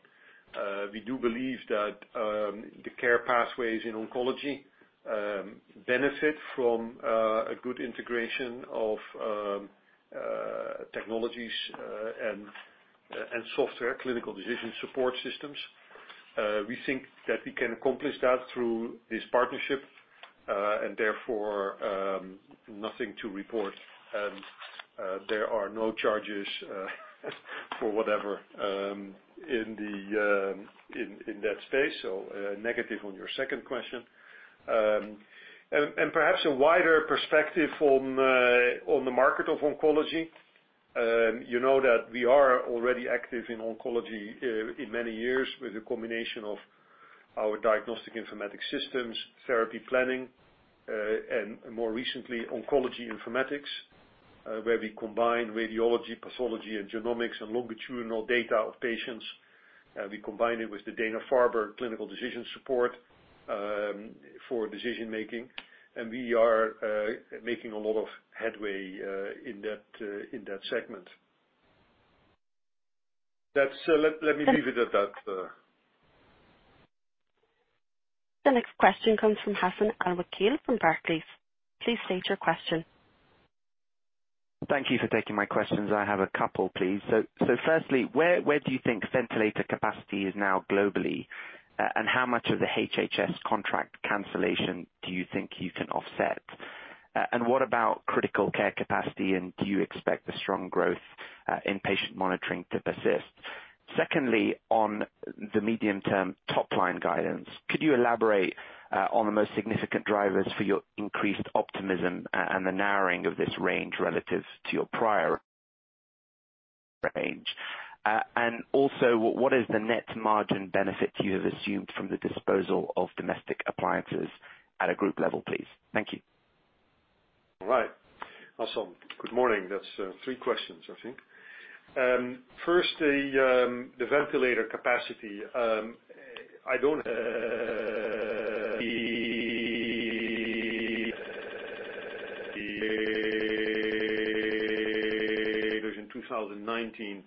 We do believe that the care pathways in oncology benefit from a good integration of technologies and software, clinical decision support systems. We think that we can accomplish that through this partnership, and therefore, nothing to report. There are no charges for whatever in that space. Negative on your second question. Perhaps a wider perspective on the market of oncology. You know that we are already active in oncology in many years with a combination of our diagnostic informatics systems, therapy planning, and more recently, oncology informatics, where we combine radiology, pathology, and genomics and longitudinal data of patients. We combine it with the Dana-Farber clinical decision support for decision making. We are making a lot of headway in that segment. Let me leave it at that. The next question comes from Hassan Al-Wakeel from Barclays. Please state your question. Thank you for taking my questions. I have a couple, please. Firstly, where do you think ventilator capacity is now globally? How much of the HHS contract cancellation do you think you can offset? What about critical care capacity, and do you expect the strong growth in patient monitoring to persist? Secondly, on the medium-term top-line guidance, could you elaborate on the most significant drivers for your increased optimism and the narrowing of this range relative to your prior range? Also, what is the net margin benefit you have assumed from the disposal of Domestic Appliances at a group level, please? Thank you. All right. Hassan, good morning. That's three questions, I think. First, the ventilator capacity 2019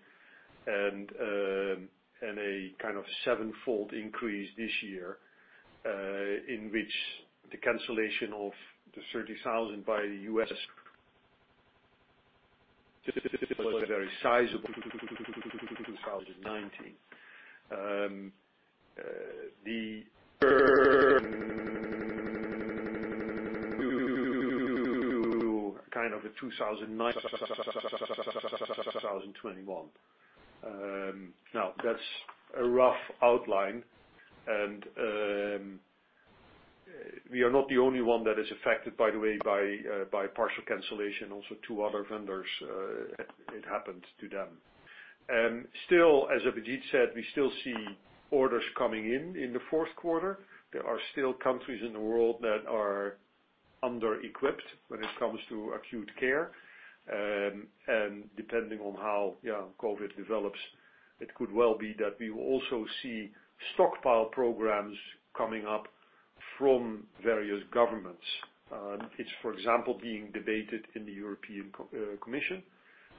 and a kind of sevenfold increase this year, in which the cancellation of the 30,000 by the U.S. was very sizable 2019. The kind of the 2009 2021. That's a rough outline, and we are not the only one that is affected, by the way, by partial cancellation. Two other vendors, it happened to them. Still, as Abhijit said, we still see orders coming in the fourth quarter. There are still countries in the world that are under-equipped when it comes to acute care. Depending on how COVID develops, it could well be that we will also see stockpile programs coming up from various governments. It's, for example, being debated in the European Commission.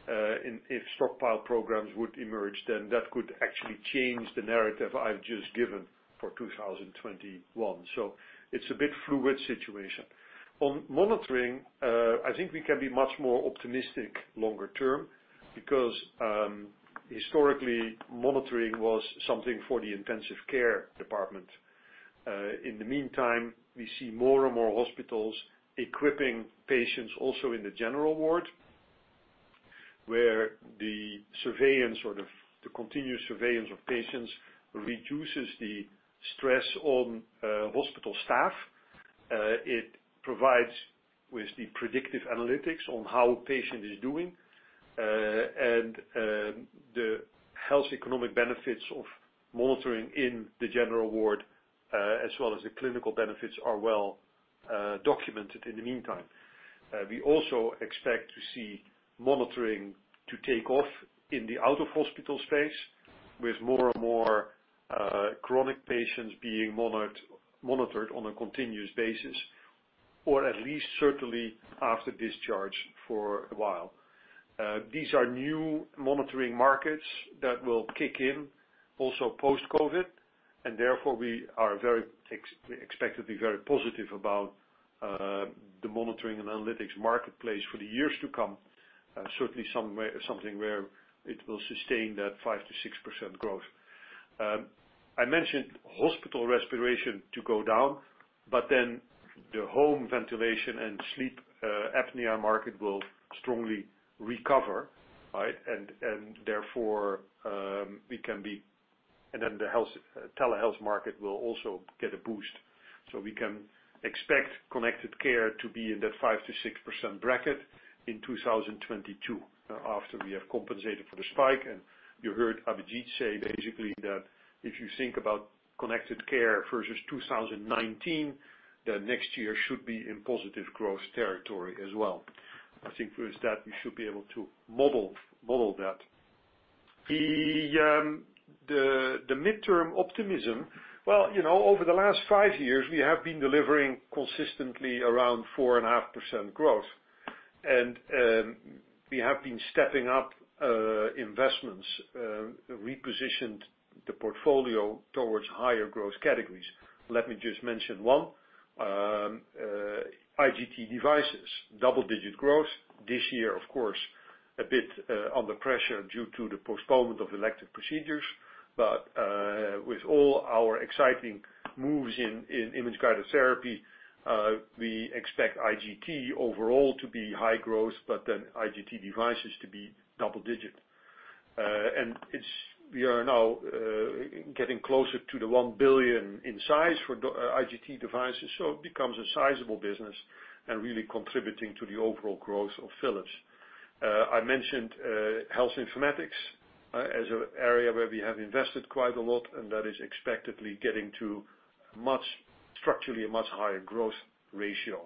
If stockpile programs would emerge, then that could actually change the narrative I've just given for 2021. It's a bit fluid situation. On monitoring, I think we can be much more optimistic longer term, because historically, monitoring was something for the intensive care department. In the meantime, we see more and more hospitals equipping patients also in the general ward, where the continuous surveillance of patients reduces the stress on hospital staff. It provides with the predictive analytics on how a patient is doing, and the health economic benefits of monitoring in the general ward, as well as the clinical benefits are well documented in the meantime. We also expect to see monitoring to take off in the out-of-hospital space, with more and more chronic patients being monitored on a continuous basis, or at least certainly after discharge for a while. These are new monitoring markets that will kick in also post-COVID. Therefore we expect to be very positive about the monitoring and analytics marketplace for the years to come. Certainly, something where it will sustain that 5% to 6% growth. I mentioned hospital respiration to go down, the home ventilation and sleep apnea market will strongly recover. The telehealth market will also get a boost. We can expect Connected Care to be in that 5% to 6% bracket in 2022, after we have compensated for the spike. You heard Abhijit say, basically, that if you think about Connected Care versus 2019, next year should be in positive growth territory as well. I think with that, we should be able to model that. The midterm optimism. Well, over the last five years, we have been delivering consistently around 4.5% growth. We have been stepping up investments, repositioned the portfolio towards higher growth categories. Let me just mention one. IGT devices, double-digit growth. This year, of course, a bit under pressure due to the postponement of elective procedures. With all our exciting moves in Image-Guided Therapy, we expect IGT overall to be high growth, then IGT devices to be double-digit. We are now getting closer to the 1 billion in size for IGT devices, so it becomes a sizable business and really contributing to the overall growth of Philips. I mentioned Health Informatics as an area where we have invested quite a lot, and that is expectedly getting to structurally a much higher growth ratio.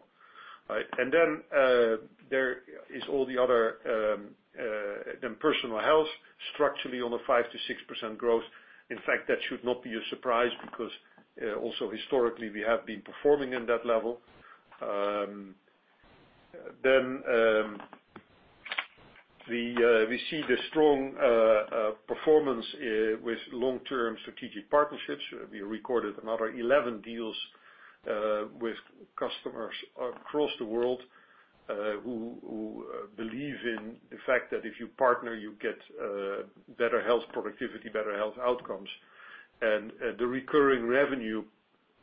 Personal Health, structurally on the 5% to 6% growth. In fact, that should not be a surprise, because also historically, we have been performing in that level. We see the strong performance with long-term strategic partnerships. We recorded another 11 deals with customers across the world, who believe in the fact that if you partner, you get better health productivity, better health outcomes. The recurring revenue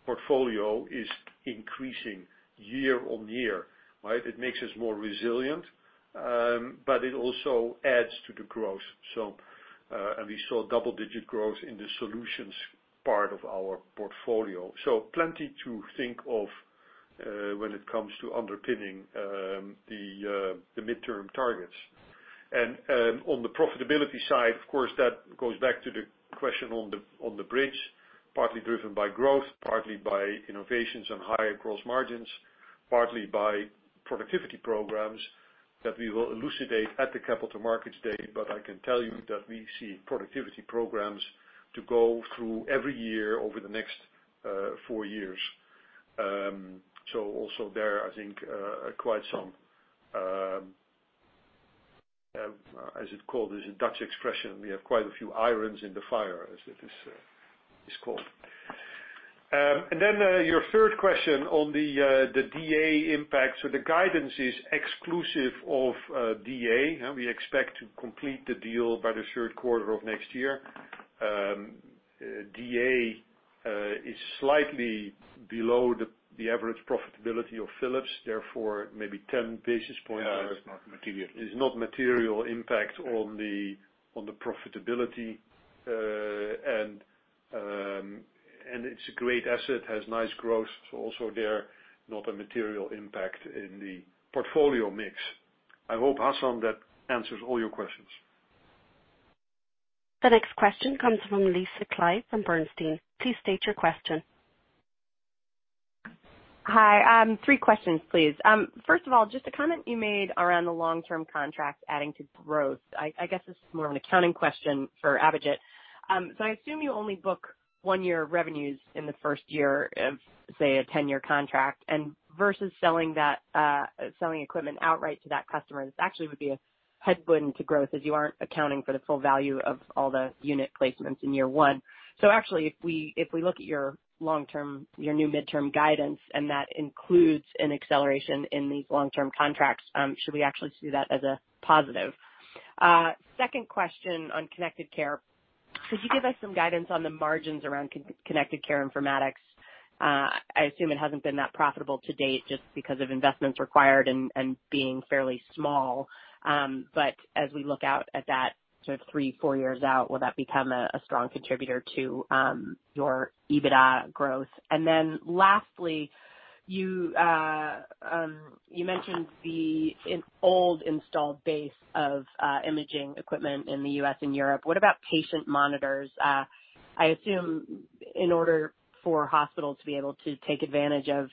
portfolio is increasing year on year. It makes us more resilient, but it also adds to the growth. We saw double-digit growth in the solutions part of our portfolio. Plenty to think of when it comes to underpinning the midterm targets. On the profitability side, of course, that goes back to the question on the bridge, partly driven by growth, partly by innovations and higher gross margins, partly by productivity programs that we will elucidate at the Capital Markets Day. I can tell you that we see productivity programs to go through every year over the next four years. Also there, I think, there's a Dutch expression, we have quite a few irons in the fire, as it is called. Then your third question on the DA impact. The guidance is exclusive of DA. We expect to complete the deal by the third quarter of next year. DA is slightly below the average profitability of Philips, therefore maybe 10 basis points. Yeah, it's not material. is not material impact on the profitability. It's a great asset, has nice growth, so also there, not a material impact in the portfolio mix. I hope, Hassan, that answers all your questions. The next question comes from Lisa Clive from Bernstein. Please state your question. Hi. Three questions, please. First of all, just a comment you made around the long-term contract adding to growth. I guess this is more of an accounting question for Abhijit. I assume you only book one year of revenues in the first year of, say, a 10-year contract. Versus selling equipment outright to that customer, this actually would be a headwind to growth, as you aren't accounting for the full value of all the unit placements in year one. Actually, if we look at your new midterm guidance, and that includes an acceleration in these long-term contracts, should we actually see that as a positive? Second question on Connected Care. Could you give us some guidance on the margins around Connected Care informatics? I assume it hasn't been that profitable to date just because of investments required and being fairly small. As we look out at that sort of three, four years out, will that become a strong contributor to your EBITA growth? Lastly, you mentioned the old installed base of imaging equipment in the U.S. and Europe. What about patient monitors? I assume in order for hospitals to be able to take advantage of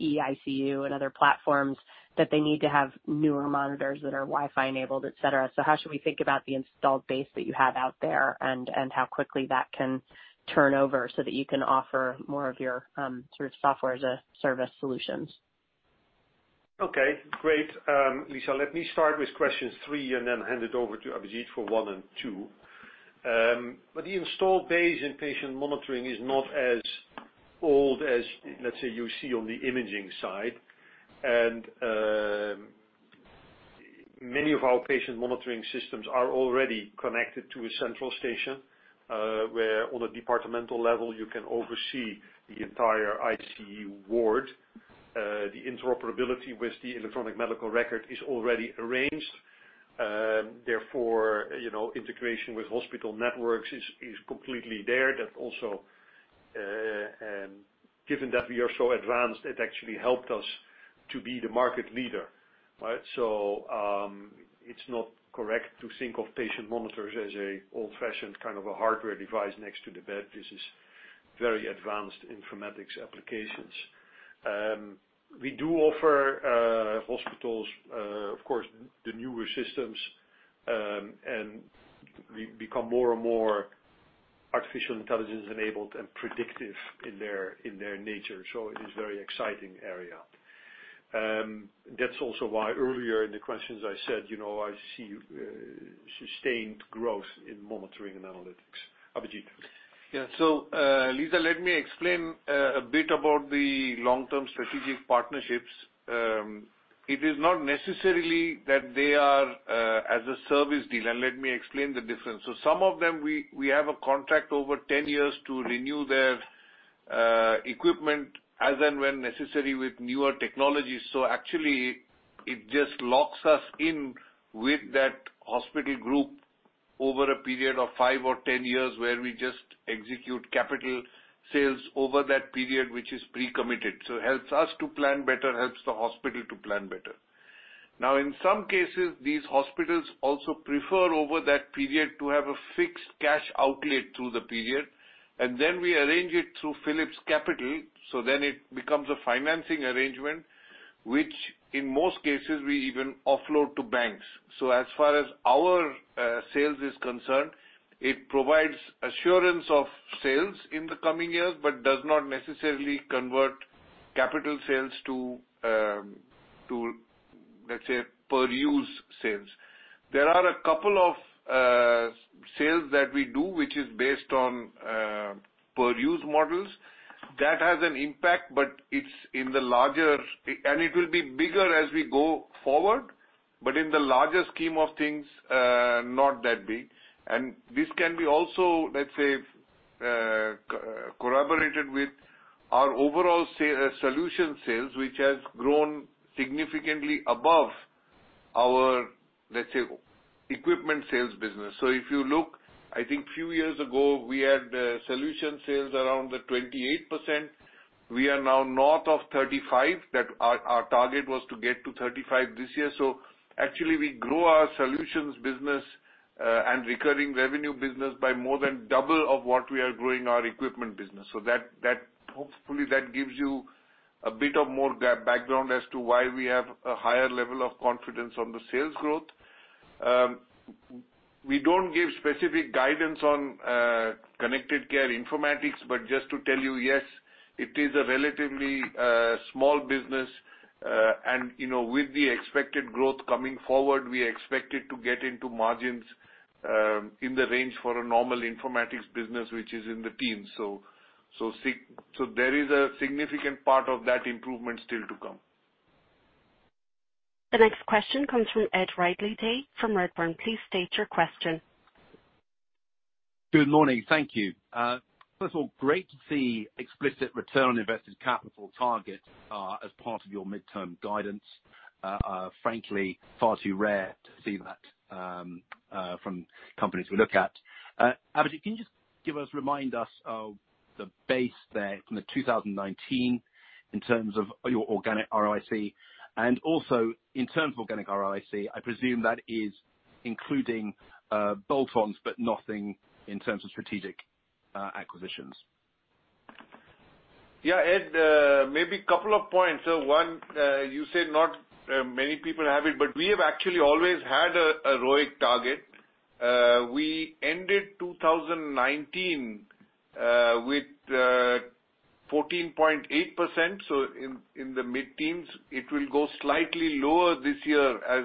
eICU and other platforms, that they need to have newer monitors that are Wi-Fi enabled, et cetera. How should we think about the installed base that you have out there and how quickly that can turn over so that you can offer more of your sort of software as a service solutions? Great. Lisa, let me start with question three and then hand it over to Abhijit for one and two. The installed base in patient monitoring is not as old as, let's say, you see on the imaging side. Many of our patient monitoring systems are already connected to a central station, where on a departmental level, you can oversee the entire ICU ward. The interoperability with the electronic medical record is already arranged. Integration with hospital networks is completely there. That also, given that we are so advanced, it actually helped us to be the market leader. Right? It's not correct to think of patient monitors as a old-fashioned kind of a hardware device next to the bed. This is very advanced informatics applications. We do offer hospitals, of course, the newer systems, and they become more and more artificial intelligence-enabled and predictive in their nature. It is very exciting area. That's also why earlier in the questions I said, I see sustained growth in monitoring and analytics. Abhijit. Lisa, let me explain a bit about the long-term strategic partnerships. It is not necessarily that they are as a service deal. Let me explain the difference. Some of them, we have a contract over 10 years to renew their equipment as and when necessary with newer technologies. Actually, it just locks us in with that hospital group over a period of five or 10 years, where we just execute capital sales over that period, which is pre-committed. Helps us to plan better, helps the hospital to plan better. Now, in some cases, these hospitals also prefer over that period to have a fixed cash outlay through the period. We arrange it through Philips Capital, so then it becomes a financing arrangement, which in most cases, we even offload to banks. As far as our sales is concerned, it provides assurance of sales in the coming years, but does not necessarily convert capital sales to, let's say, per-use sales. There are a couple of sales that we do, which is based on per-use models. That has an impact, and it will be bigger as we go forward, but in the larger scheme of things, not that big. This can be also, let's say, corroborated with our overall solution sales, which has grown significantly above our equipment sales business. If you look, I think few years ago, we had solution sales around 28%. We are now north of 35%. Our target was to get to 35% this year. Actually, we grow our solutions business and recurring revenue business by more than double of what we are growing our equipment business. Hopefully that gives you a bit of more background as to why we have a higher level of confidence on the sales growth. We don't give specific guidance on Connected Care Informatics, but just to tell you, yes, it is a relatively small business. With the expected growth coming forward, we expect it to get into margins in the range for a normal Informatics business, which is in the teens. There is a significant part of that improvement still to come. The next question comes from Ed Ridley-Day from Redburn. Please state your question. Good morning. Thank you. First of all, great to see explicit return on invested capital targets as part of your midterm guidance. Are frankly far too rare to see that from companies we look at. Abhijit, can you just remind us of the base there from the 2019 in terms of your organic ROIC and also in terms of organic ROIC, I presume that is including bolt-ons, but nothing in terms of strategic acquisitions? Yeah, Ed, maybe a couple of points. One, you said not many people have it, but we have actually always had a ROIC target. We ended 2019 with 14.8%, so in the mid-teens. It will go slightly lower this year as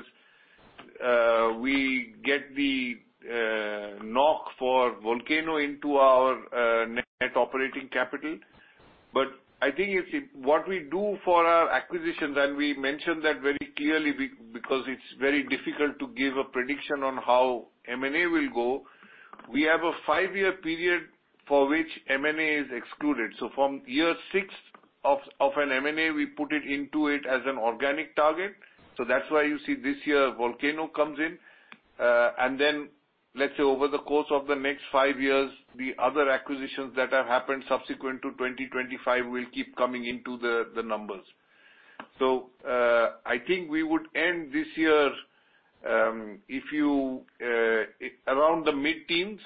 we get the knock for Volcano into our net operating capital. I think what we do for our acquisitions, and we mentioned that very clearly because it's very difficult to give a prediction on how M&A will go. We have a five-year period for which M&A is excluded. From year six of an M&A, we put it into it as an organic target. That's why you see this year Volcano comes in. Let's say over the course of the next five years, the other acquisitions that have happened subsequent to 2025 will keep coming into the numbers. I think we would end this year around the mid-teen,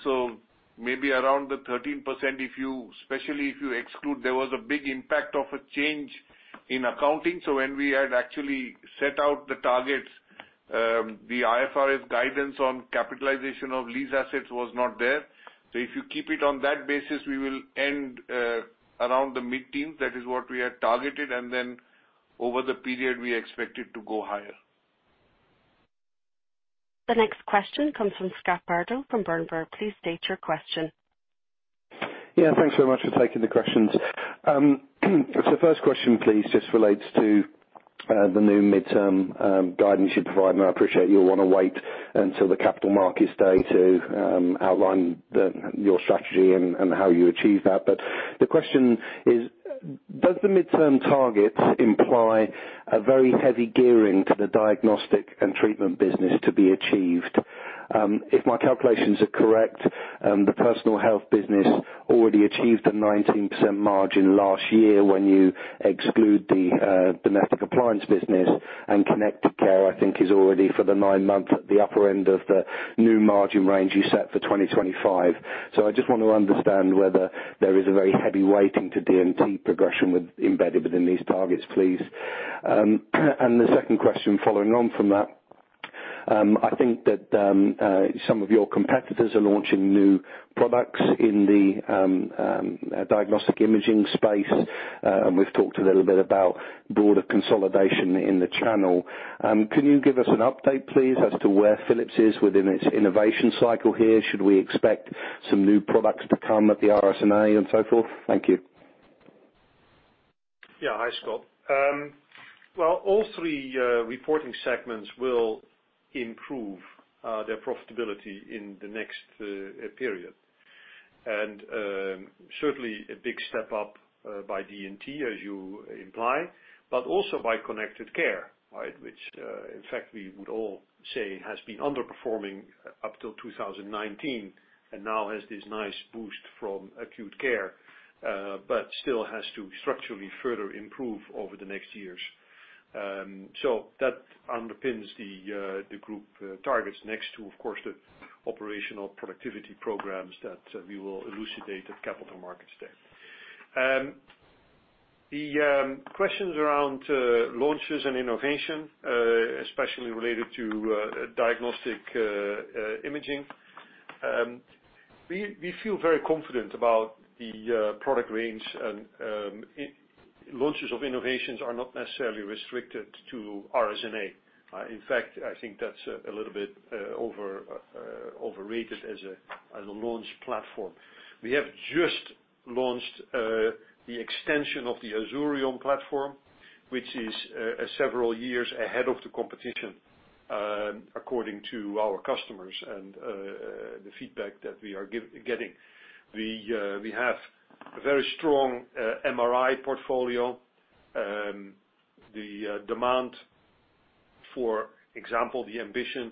maybe around the 13%, especially if you exclude. There was a big impact of a change in accounting. When we had actually set out the targets, the IFRS guidance on capitalization of lease assets was not there. If you keep it on that basis, we will end around the mid-teen. That is what we had targeted. Over the period, we expect it to go higher. The next question comes from Scott Bardo from Berenberg. Please state your question. Yeah, thanks very much for taking the questions. First question, please, just relates to the new midterm guidance you provide, and I appreciate you'll want to wait until the Capital Markets Day to outline your strategy and how you achieve that. The question is, does the midterm target imply a very heavy gearing to the Diagnosis & Treatment business to be achieved? If my calculations are correct, the Personal Health business already achieved a 19% margin last year when you exclude the Domestic Appliances business, Connected Care, I think is already for the nine months at the upper end of the new margin range you set for 2025. I just want to understand whether there is a very heavy weighting to D&T progression embedded within these targets, please. The second question following on from that, I think that some of your competitors are launching new products in the diagnostic imaging space. We've talked a little bit about broader consolidation in the channel. Can you give us an update, please, as to where Philips is within its innovation cycle here? Should we expect some new products to come at the RSNA and so forth? Thank you. Hi, Scott. All three reporting segments will improve their profitability in the next period. Certainly a big step up by D&T, as you imply, but also by Connected Care. Which, in fact, we would all say has been underperforming up till 2019 and now has this nice boost from acute care, but still has to structurally further improve over the next years. That underpins the group targets next to, of course, the operational productivity programs that we will elucidate at Capital Markets Day. The questions around launches and innovation, especially related to diagnostic imaging. We feel very confident about the product range and launches of innovations are not necessarily restricted to RSNA. In fact, I think that's a little bit overrated as a launch platform. We have just launched the extension of the Azurion platform, which is several years ahead of the competition, according to our customers and the feedback that we are getting. We have a very strong MRI portfolio. The demand, for example, the Ambition,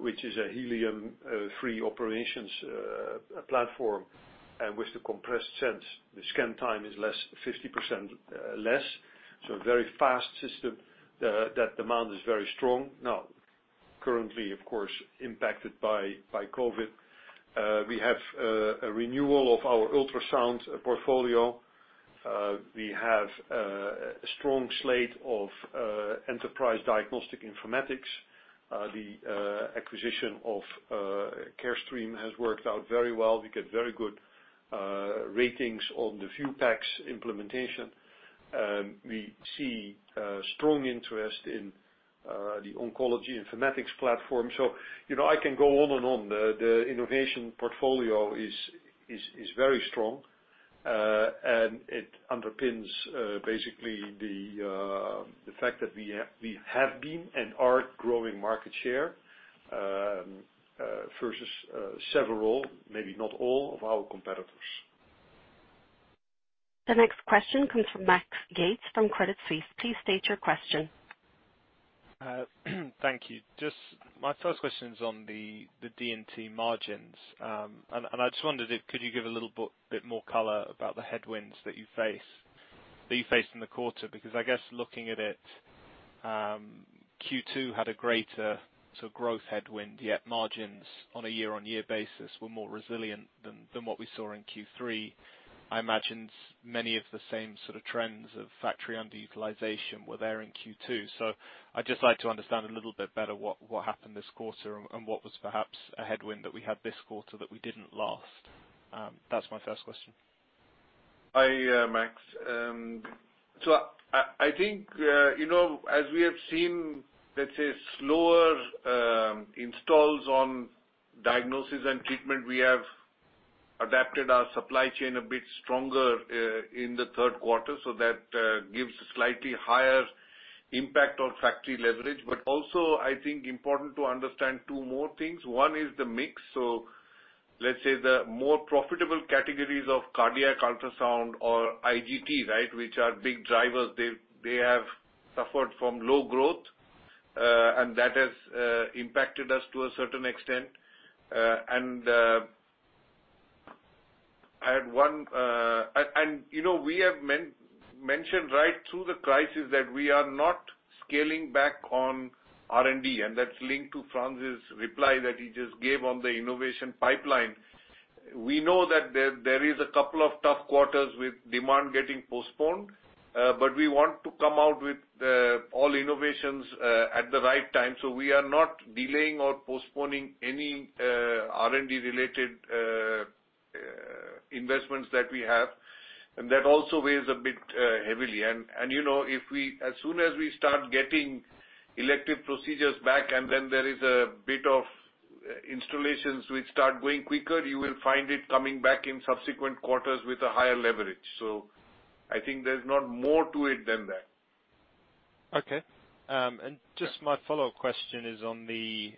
which is a helium-free operations platform with the Compressed SENSE, the scan time is 50% less. A very fast system. That demand is very strong. Currently, of course, impacted by COVID. We have a renewal of our ultrasound portfolio. We have a strong slate of enterprise diagnostic informatics. The acquisition of Carestream has worked out very well. We get very good ratings on the Vue PACS implementation. We see strong interest in the oncology informatics platform. I can go on and on. The innovation portfolio is very strong. It underpins basically the fact that we have been and are growing market share versus several, maybe not all, of our competitors. The next question comes from Max Yates from Credit Suisse. Please state your question. Thank you. My first question is on the D&T margins. I just wondered if could you give a little bit more color about the headwinds that you faced in the quarter. I guess looking at it, Q2 had a greater sort of growth headwind, yet margins on a year-on-year basis were more resilient than what we saw in Q3. I imagine many of the same sort of trends of factory underutilization were there in Q2. I'd just like to understand a little bit better what happened this quarter, and what was perhaps a headwind that we had this quarter that we didn't last. That's my first question. Hi, Max. I think, as we have seen, let's say slower installs on Diagnosis & Treatment, we have adapted our supply chain a bit stronger in the third quarter, so that gives slightly higher impact on factory leverage. Also, I think important to understand two more things. One is the mix. Let's say the more profitable categories of cardiac ultrasound or IGT, right, which are big drivers, they have suffered from low growth, and that has impacted us to a certain extent. We have mentioned right through the crisis that we are not scaling back on R&D, and that's linked to Frans' reply that he just gave on the innovation pipeline. We know that there is a couple of tough quarters with demand getting postponed, but we want to come out with all innovations at the right time. We are not delaying or postponing any R&D related investments that we have. That also weighs a bit heavily. As soon as we start getting elective procedures back, and then there is a bit of installations which start going quicker, you will find it coming back in subsequent quarters with a higher leverage. I think there's not more to it than that. Okay. Just my follow-up question is on the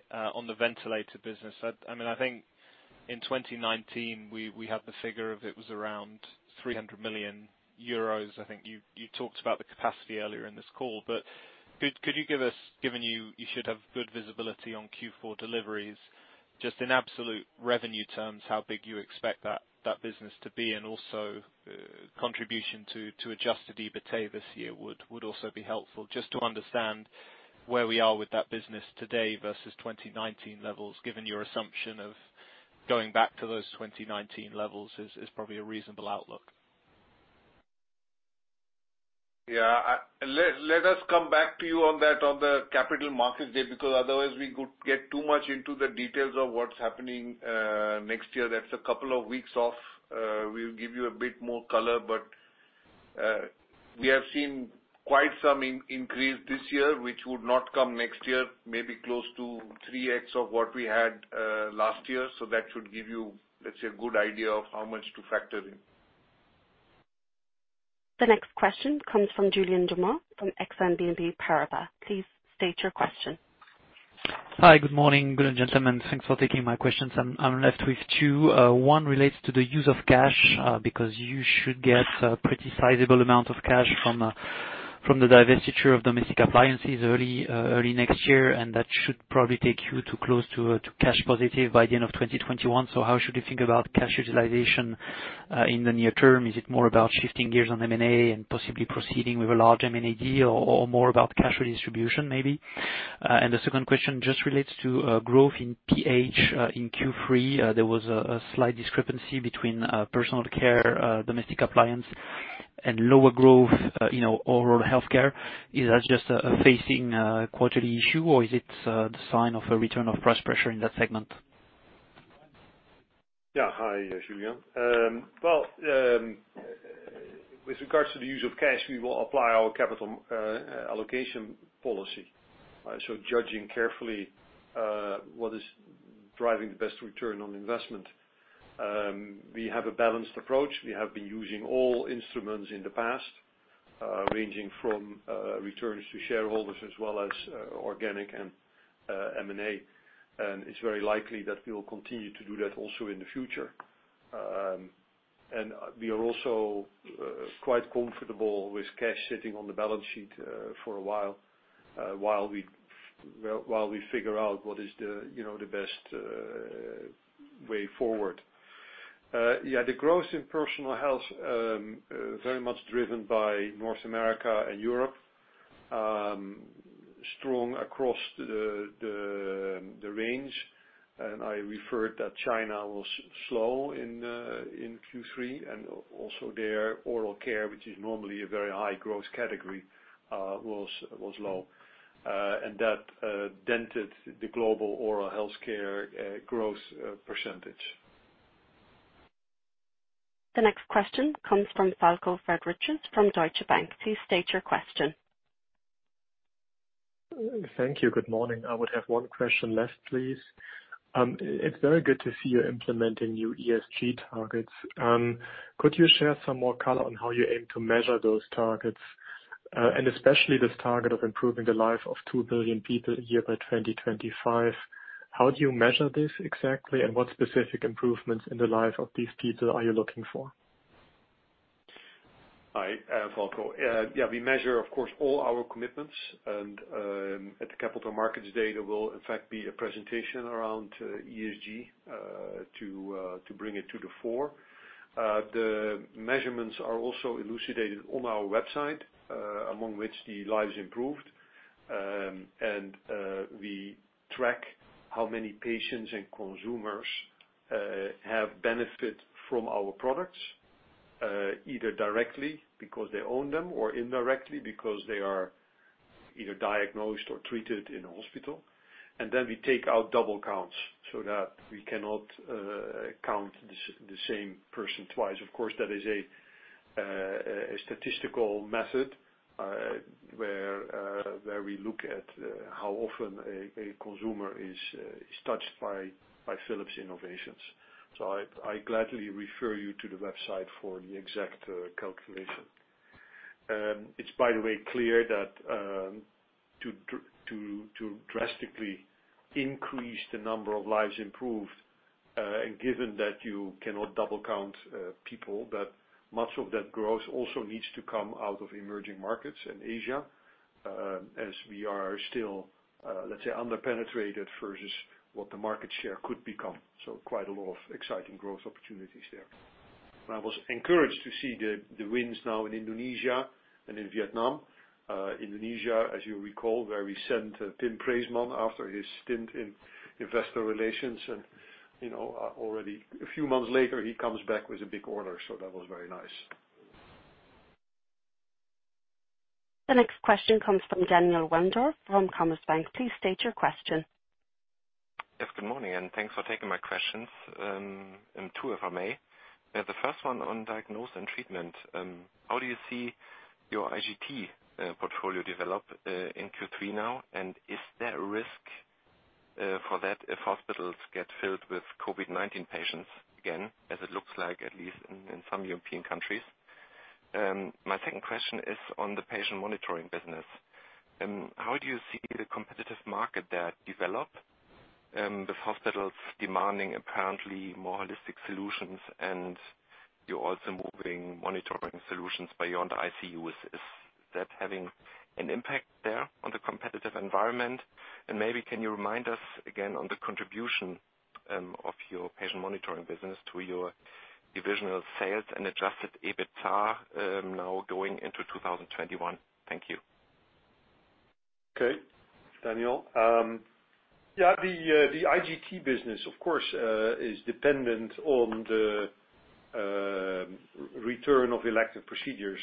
ventilator business. I think in 2019, we had the figure of, it was around 300 million euros. I think you talked about the capacity earlier in this call. Could you give us, given you should have good visibility on Q4 deliveries, just in absolute revenue terms, how big you expect that business to be, and also contribution to adjusted EBITA this year would also be helpful, just to understand where we are with that business today versus 2019 levels, given your assumption of going back to those 2019 levels is probably a reasonable outlook. Let us come back to you on that on the Capital Markets Day, because otherwise we could get too much into the details of what's happening next year. That's a couple of weeks off. We'll give you a bit more color. We have seen quite some increase this year, which would not come next year, maybe close to 3x of what we had last year. That should give you, let's say, a good idea of how much to factor in. The next question comes from Julien Dormois from Exane BNP Paribas. Please state your question. Hi. Good morning. Good gentlemen. Thanks for taking my questions. I'm left with two. One relates to the use of cash, because you should get a pretty sizable amount of cash from the divestiture of Domestic Appliances early next year, and that should probably take you to close to cash positive by the end of 2021. How should we think about cash utilization in the near term? Is it more about shifting gears on M&A and possibly proceeding with a large M&A deal, or more about cash redistribution, maybe? The second question just relates to growth in PH in Q3. There was a slight discrepancy between personal care Domestic Appliances and lower growth oral health care. Is that just a phasing quarterly issue, or is it the sign of a return of price pressure in that segment? Yeah. Hi, Julien. With regards to the use of cash, we will apply our capital allocation policy. Judging carefully, what is driving the best return on investment. We have a balanced approach. We have been using all instruments in the past, ranging from returns to shareholders as well as organic and M&A, and it's very likely that we will continue to do that also in the future. We are also quite comfortable with cash sitting on the balance sheet for a while we figure out what is the best way forward. The growth in Personal Health, very much driven by North America and Europe. Strong across the range. I referred that China was slow in Q3, and also their oral care, which is normally a very high growth category, was low. That dented the global oral healthcare growth percentage. The next question comes from Falko Friedrichs from Deutsche Bank. Please state your question. Thank you. Good morning. I would have one question left, please. It's very good to see you implementing new ESG targets. Could you share some more color on how you aim to measure those targets? Especially this target of improving the life of two billion people a year by 2025. How do you measure this exactly, and what specific improvements in the life of these people are you looking for? Hi, Falko. We measure, of course, all our commitments. At the Capital Markets Day, there will in fact be a presentation around ESG to bring it to the fore. The measurements are also elucidated on our website, among which the lives improved. We track how many patients and consumers have benefit from our products, either directly because they own them or indirectly because they are either diagnosed or treated in a hospital. We take out double counts so that we cannot count the same person twice. Of course, that is a statistical method, where we look at how often a consumer is touched by Philips innovations. I gladly refer you to the website for the exact calculation. It's, by the way, clear that to drastically increase the number of lives improved, and given that you cannot double count people, that much of that growth also needs to come out of emerging markets in Asia, as we are still, let's say, under-penetrated versus what the market share could become. Quite a lot of exciting growth opportunities there. I was encouraged to see the wins now in Indonesia and in Vietnam. Indonesia, as you recall, where we sent Pim Preesmann after his stint in investor relations, and already a few months later, he comes back with a big order. That was very nice. The next question comes from Daniel Wendorff from Commerzbank. Please state your question. Yes, good morning, and thanks for taking my questions, and two, if I may. The first one on diagnosis and treatment. How do you see your IGT portfolio develop, in Q3 now? Is there a risk for that if hospitals get filled with COVID-19 patients again, as it looks like, at least in some European countries? My second question is on the patient monitoring business. How do you see the competitive market there develop? With hospitals demanding apparently more holistic solutions and you're also moving monitoring solutions beyond ICU, is that having an impact there on the competitive environment? Maybe can you remind us again on the contribution of your patient monitoring business to your divisional sales and adjusted EBITDA, now going into 2021? Thank you. Okay. Daniel. The IGT business, of course, is dependent on the return of elective procedures.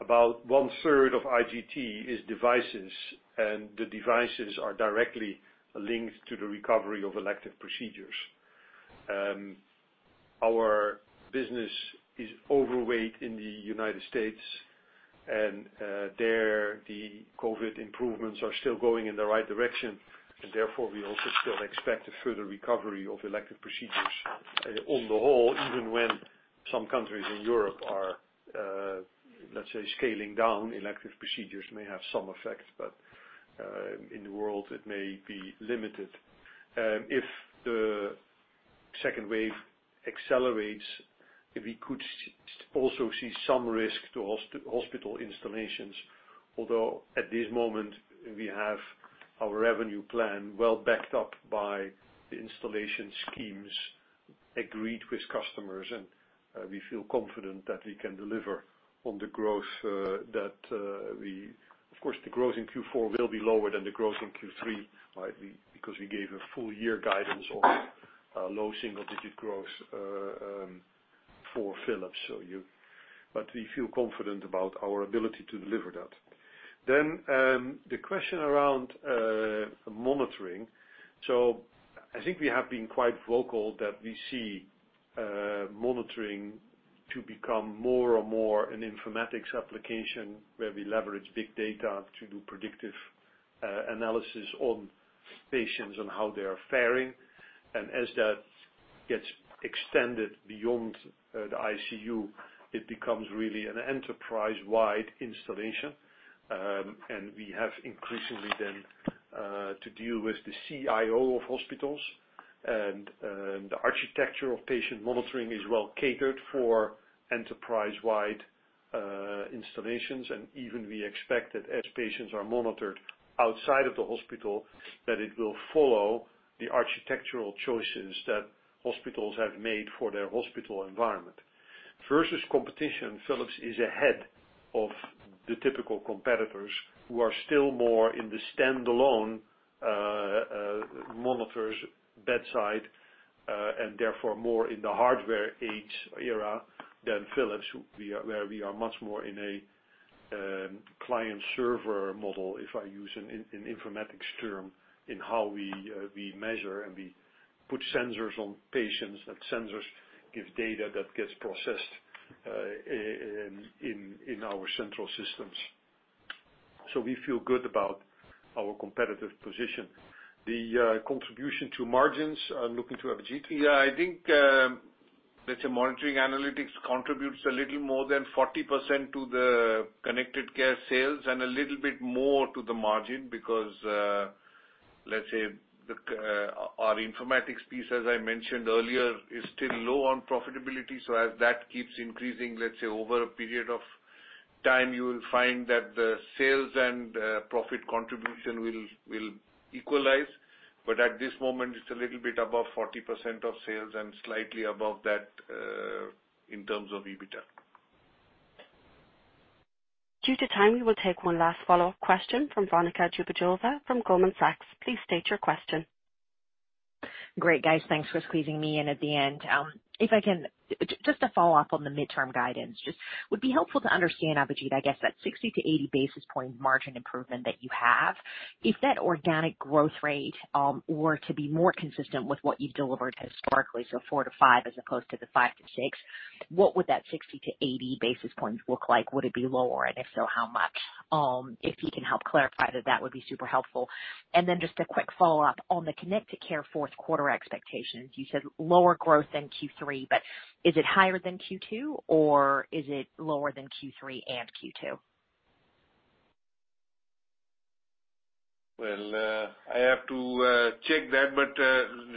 About one third of IGT is devices, and the devices are directly linked to the recovery of elective procedures. Our business is overweight in the United States, and there, the COVID improvements are still going in the right direction, and therefore, we also still expect a further recovery of elective procedures on the whole, even when some countries in Europe are, let's say, scaling down elective procedures may have some effect, but, in the world, it may be limited. If the second wave accelerates, we could also see some risk to hospital installations, although at this moment, we have our revenue plan well backed up by the installation schemes agreed with customers, and we feel confident that we can deliver on the growth. Of course, the growth in Q4 will be lower than the growth in Q3, because we gave a full year guidance on low single-digit growth for Philips. We feel confident about our ability to deliver that. The question around monitoring. I think we have been quite vocal that we see monitoring to become more and more an informatics application where we leverage big data to do predictive analysis on patients and how they are faring. As that gets extended beyond the ICU, it becomes really an enterprise-wide installation. We have increasingly then to deal with the CIO of hospitals. The architecture of patient monitoring is well catered for enterprise-wide installations. Even we expect that as patients are monitored outside of the hospital, that it will follow the architectural choices that hospitals have made for their hospital environment. Versus competition, Philips is ahead of the typical competitors who are still more in the standalone monitors bedside, and therefore more in the hardware age era than Philips, where we are much more in a client-server model, if I use an informatics term, in how we measure and we put sensors on patients. Sensors give data that gets processed in our central systems. We feel good about our competitive position. The contribution to margins, looking to Abhijit. I think, let's say monitoring analytics contributes a little more than 40% to the Connected Care sales and a little bit more to the margin because, let's say our informatics piece, as I mentioned earlier, is still low on profitability. As that keeps increasing, let's say, over a period of time, you will find that the sales and profit contribution will equalize. At this moment, it's a little bit above 40% of sales and slightly above that in terms of EBITDA. Due to time, we will take one last follow-up question from Veronika Dubajova from Goldman Sachs. Please state your question. Great, guys. Thanks for squeezing me in at the end. A follow-up on the midterm guidance. It would be helpful to understand, Abhijit, I guess that 60 to 80 basis point margin improvement that you have, if that organic growth rate were to be more consistent with what you've delivered historically, so 4% to 5% as opposed to the 5% to 6%, what would that 60 to 80 basis points look like? Would it be lower, and if so, how much? If you can help clarify that would be super helpful. A quick follow-up. On the Connected Care fourth quarter expectations, you said lower growth than Q3. Is it higher than Q2, or is it lower than Q3 and Q2? I have to check that, but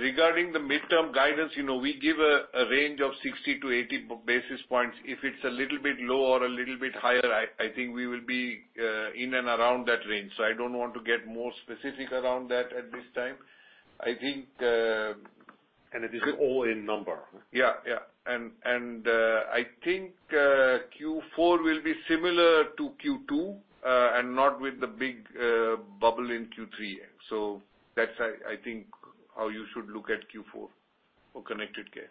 regarding the midterm guidance, we give a range of 60 to 80 basis points. If it's a little bit low or a little bit higher, I think we will be in and around that range. I don't want to get more specific around that at this time. It is all in number. Yeah. I think Q4 will be similar to Q2, and not with the big bubble in Q3. That's, I think, how you should look at Q4 for Connected Care.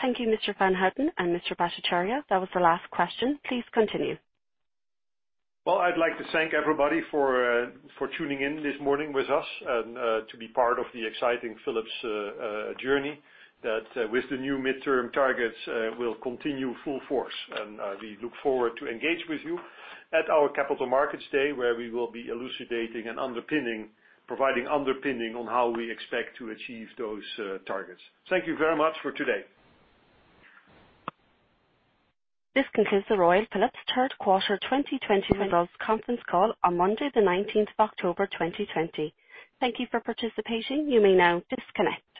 Thank you, Mr. van Houten and Mr. Bhattacharya. That was the last question. Please continue. Well, I'd like to thank everybody for tuning in this morning with us and to be part of the exciting Philips journey that with the new midterm targets will continue full force. We look forward to engage with you at our Capital Markets Day, where we will be elucidating and underpinning, providing underpinning on how we expect to achieve those targets. Thank you very much for today. This concludes the Royal Philips third quarter 2020 results conference call on Monday the 19 of October 2020. Thank you for participating. You may now disconnect.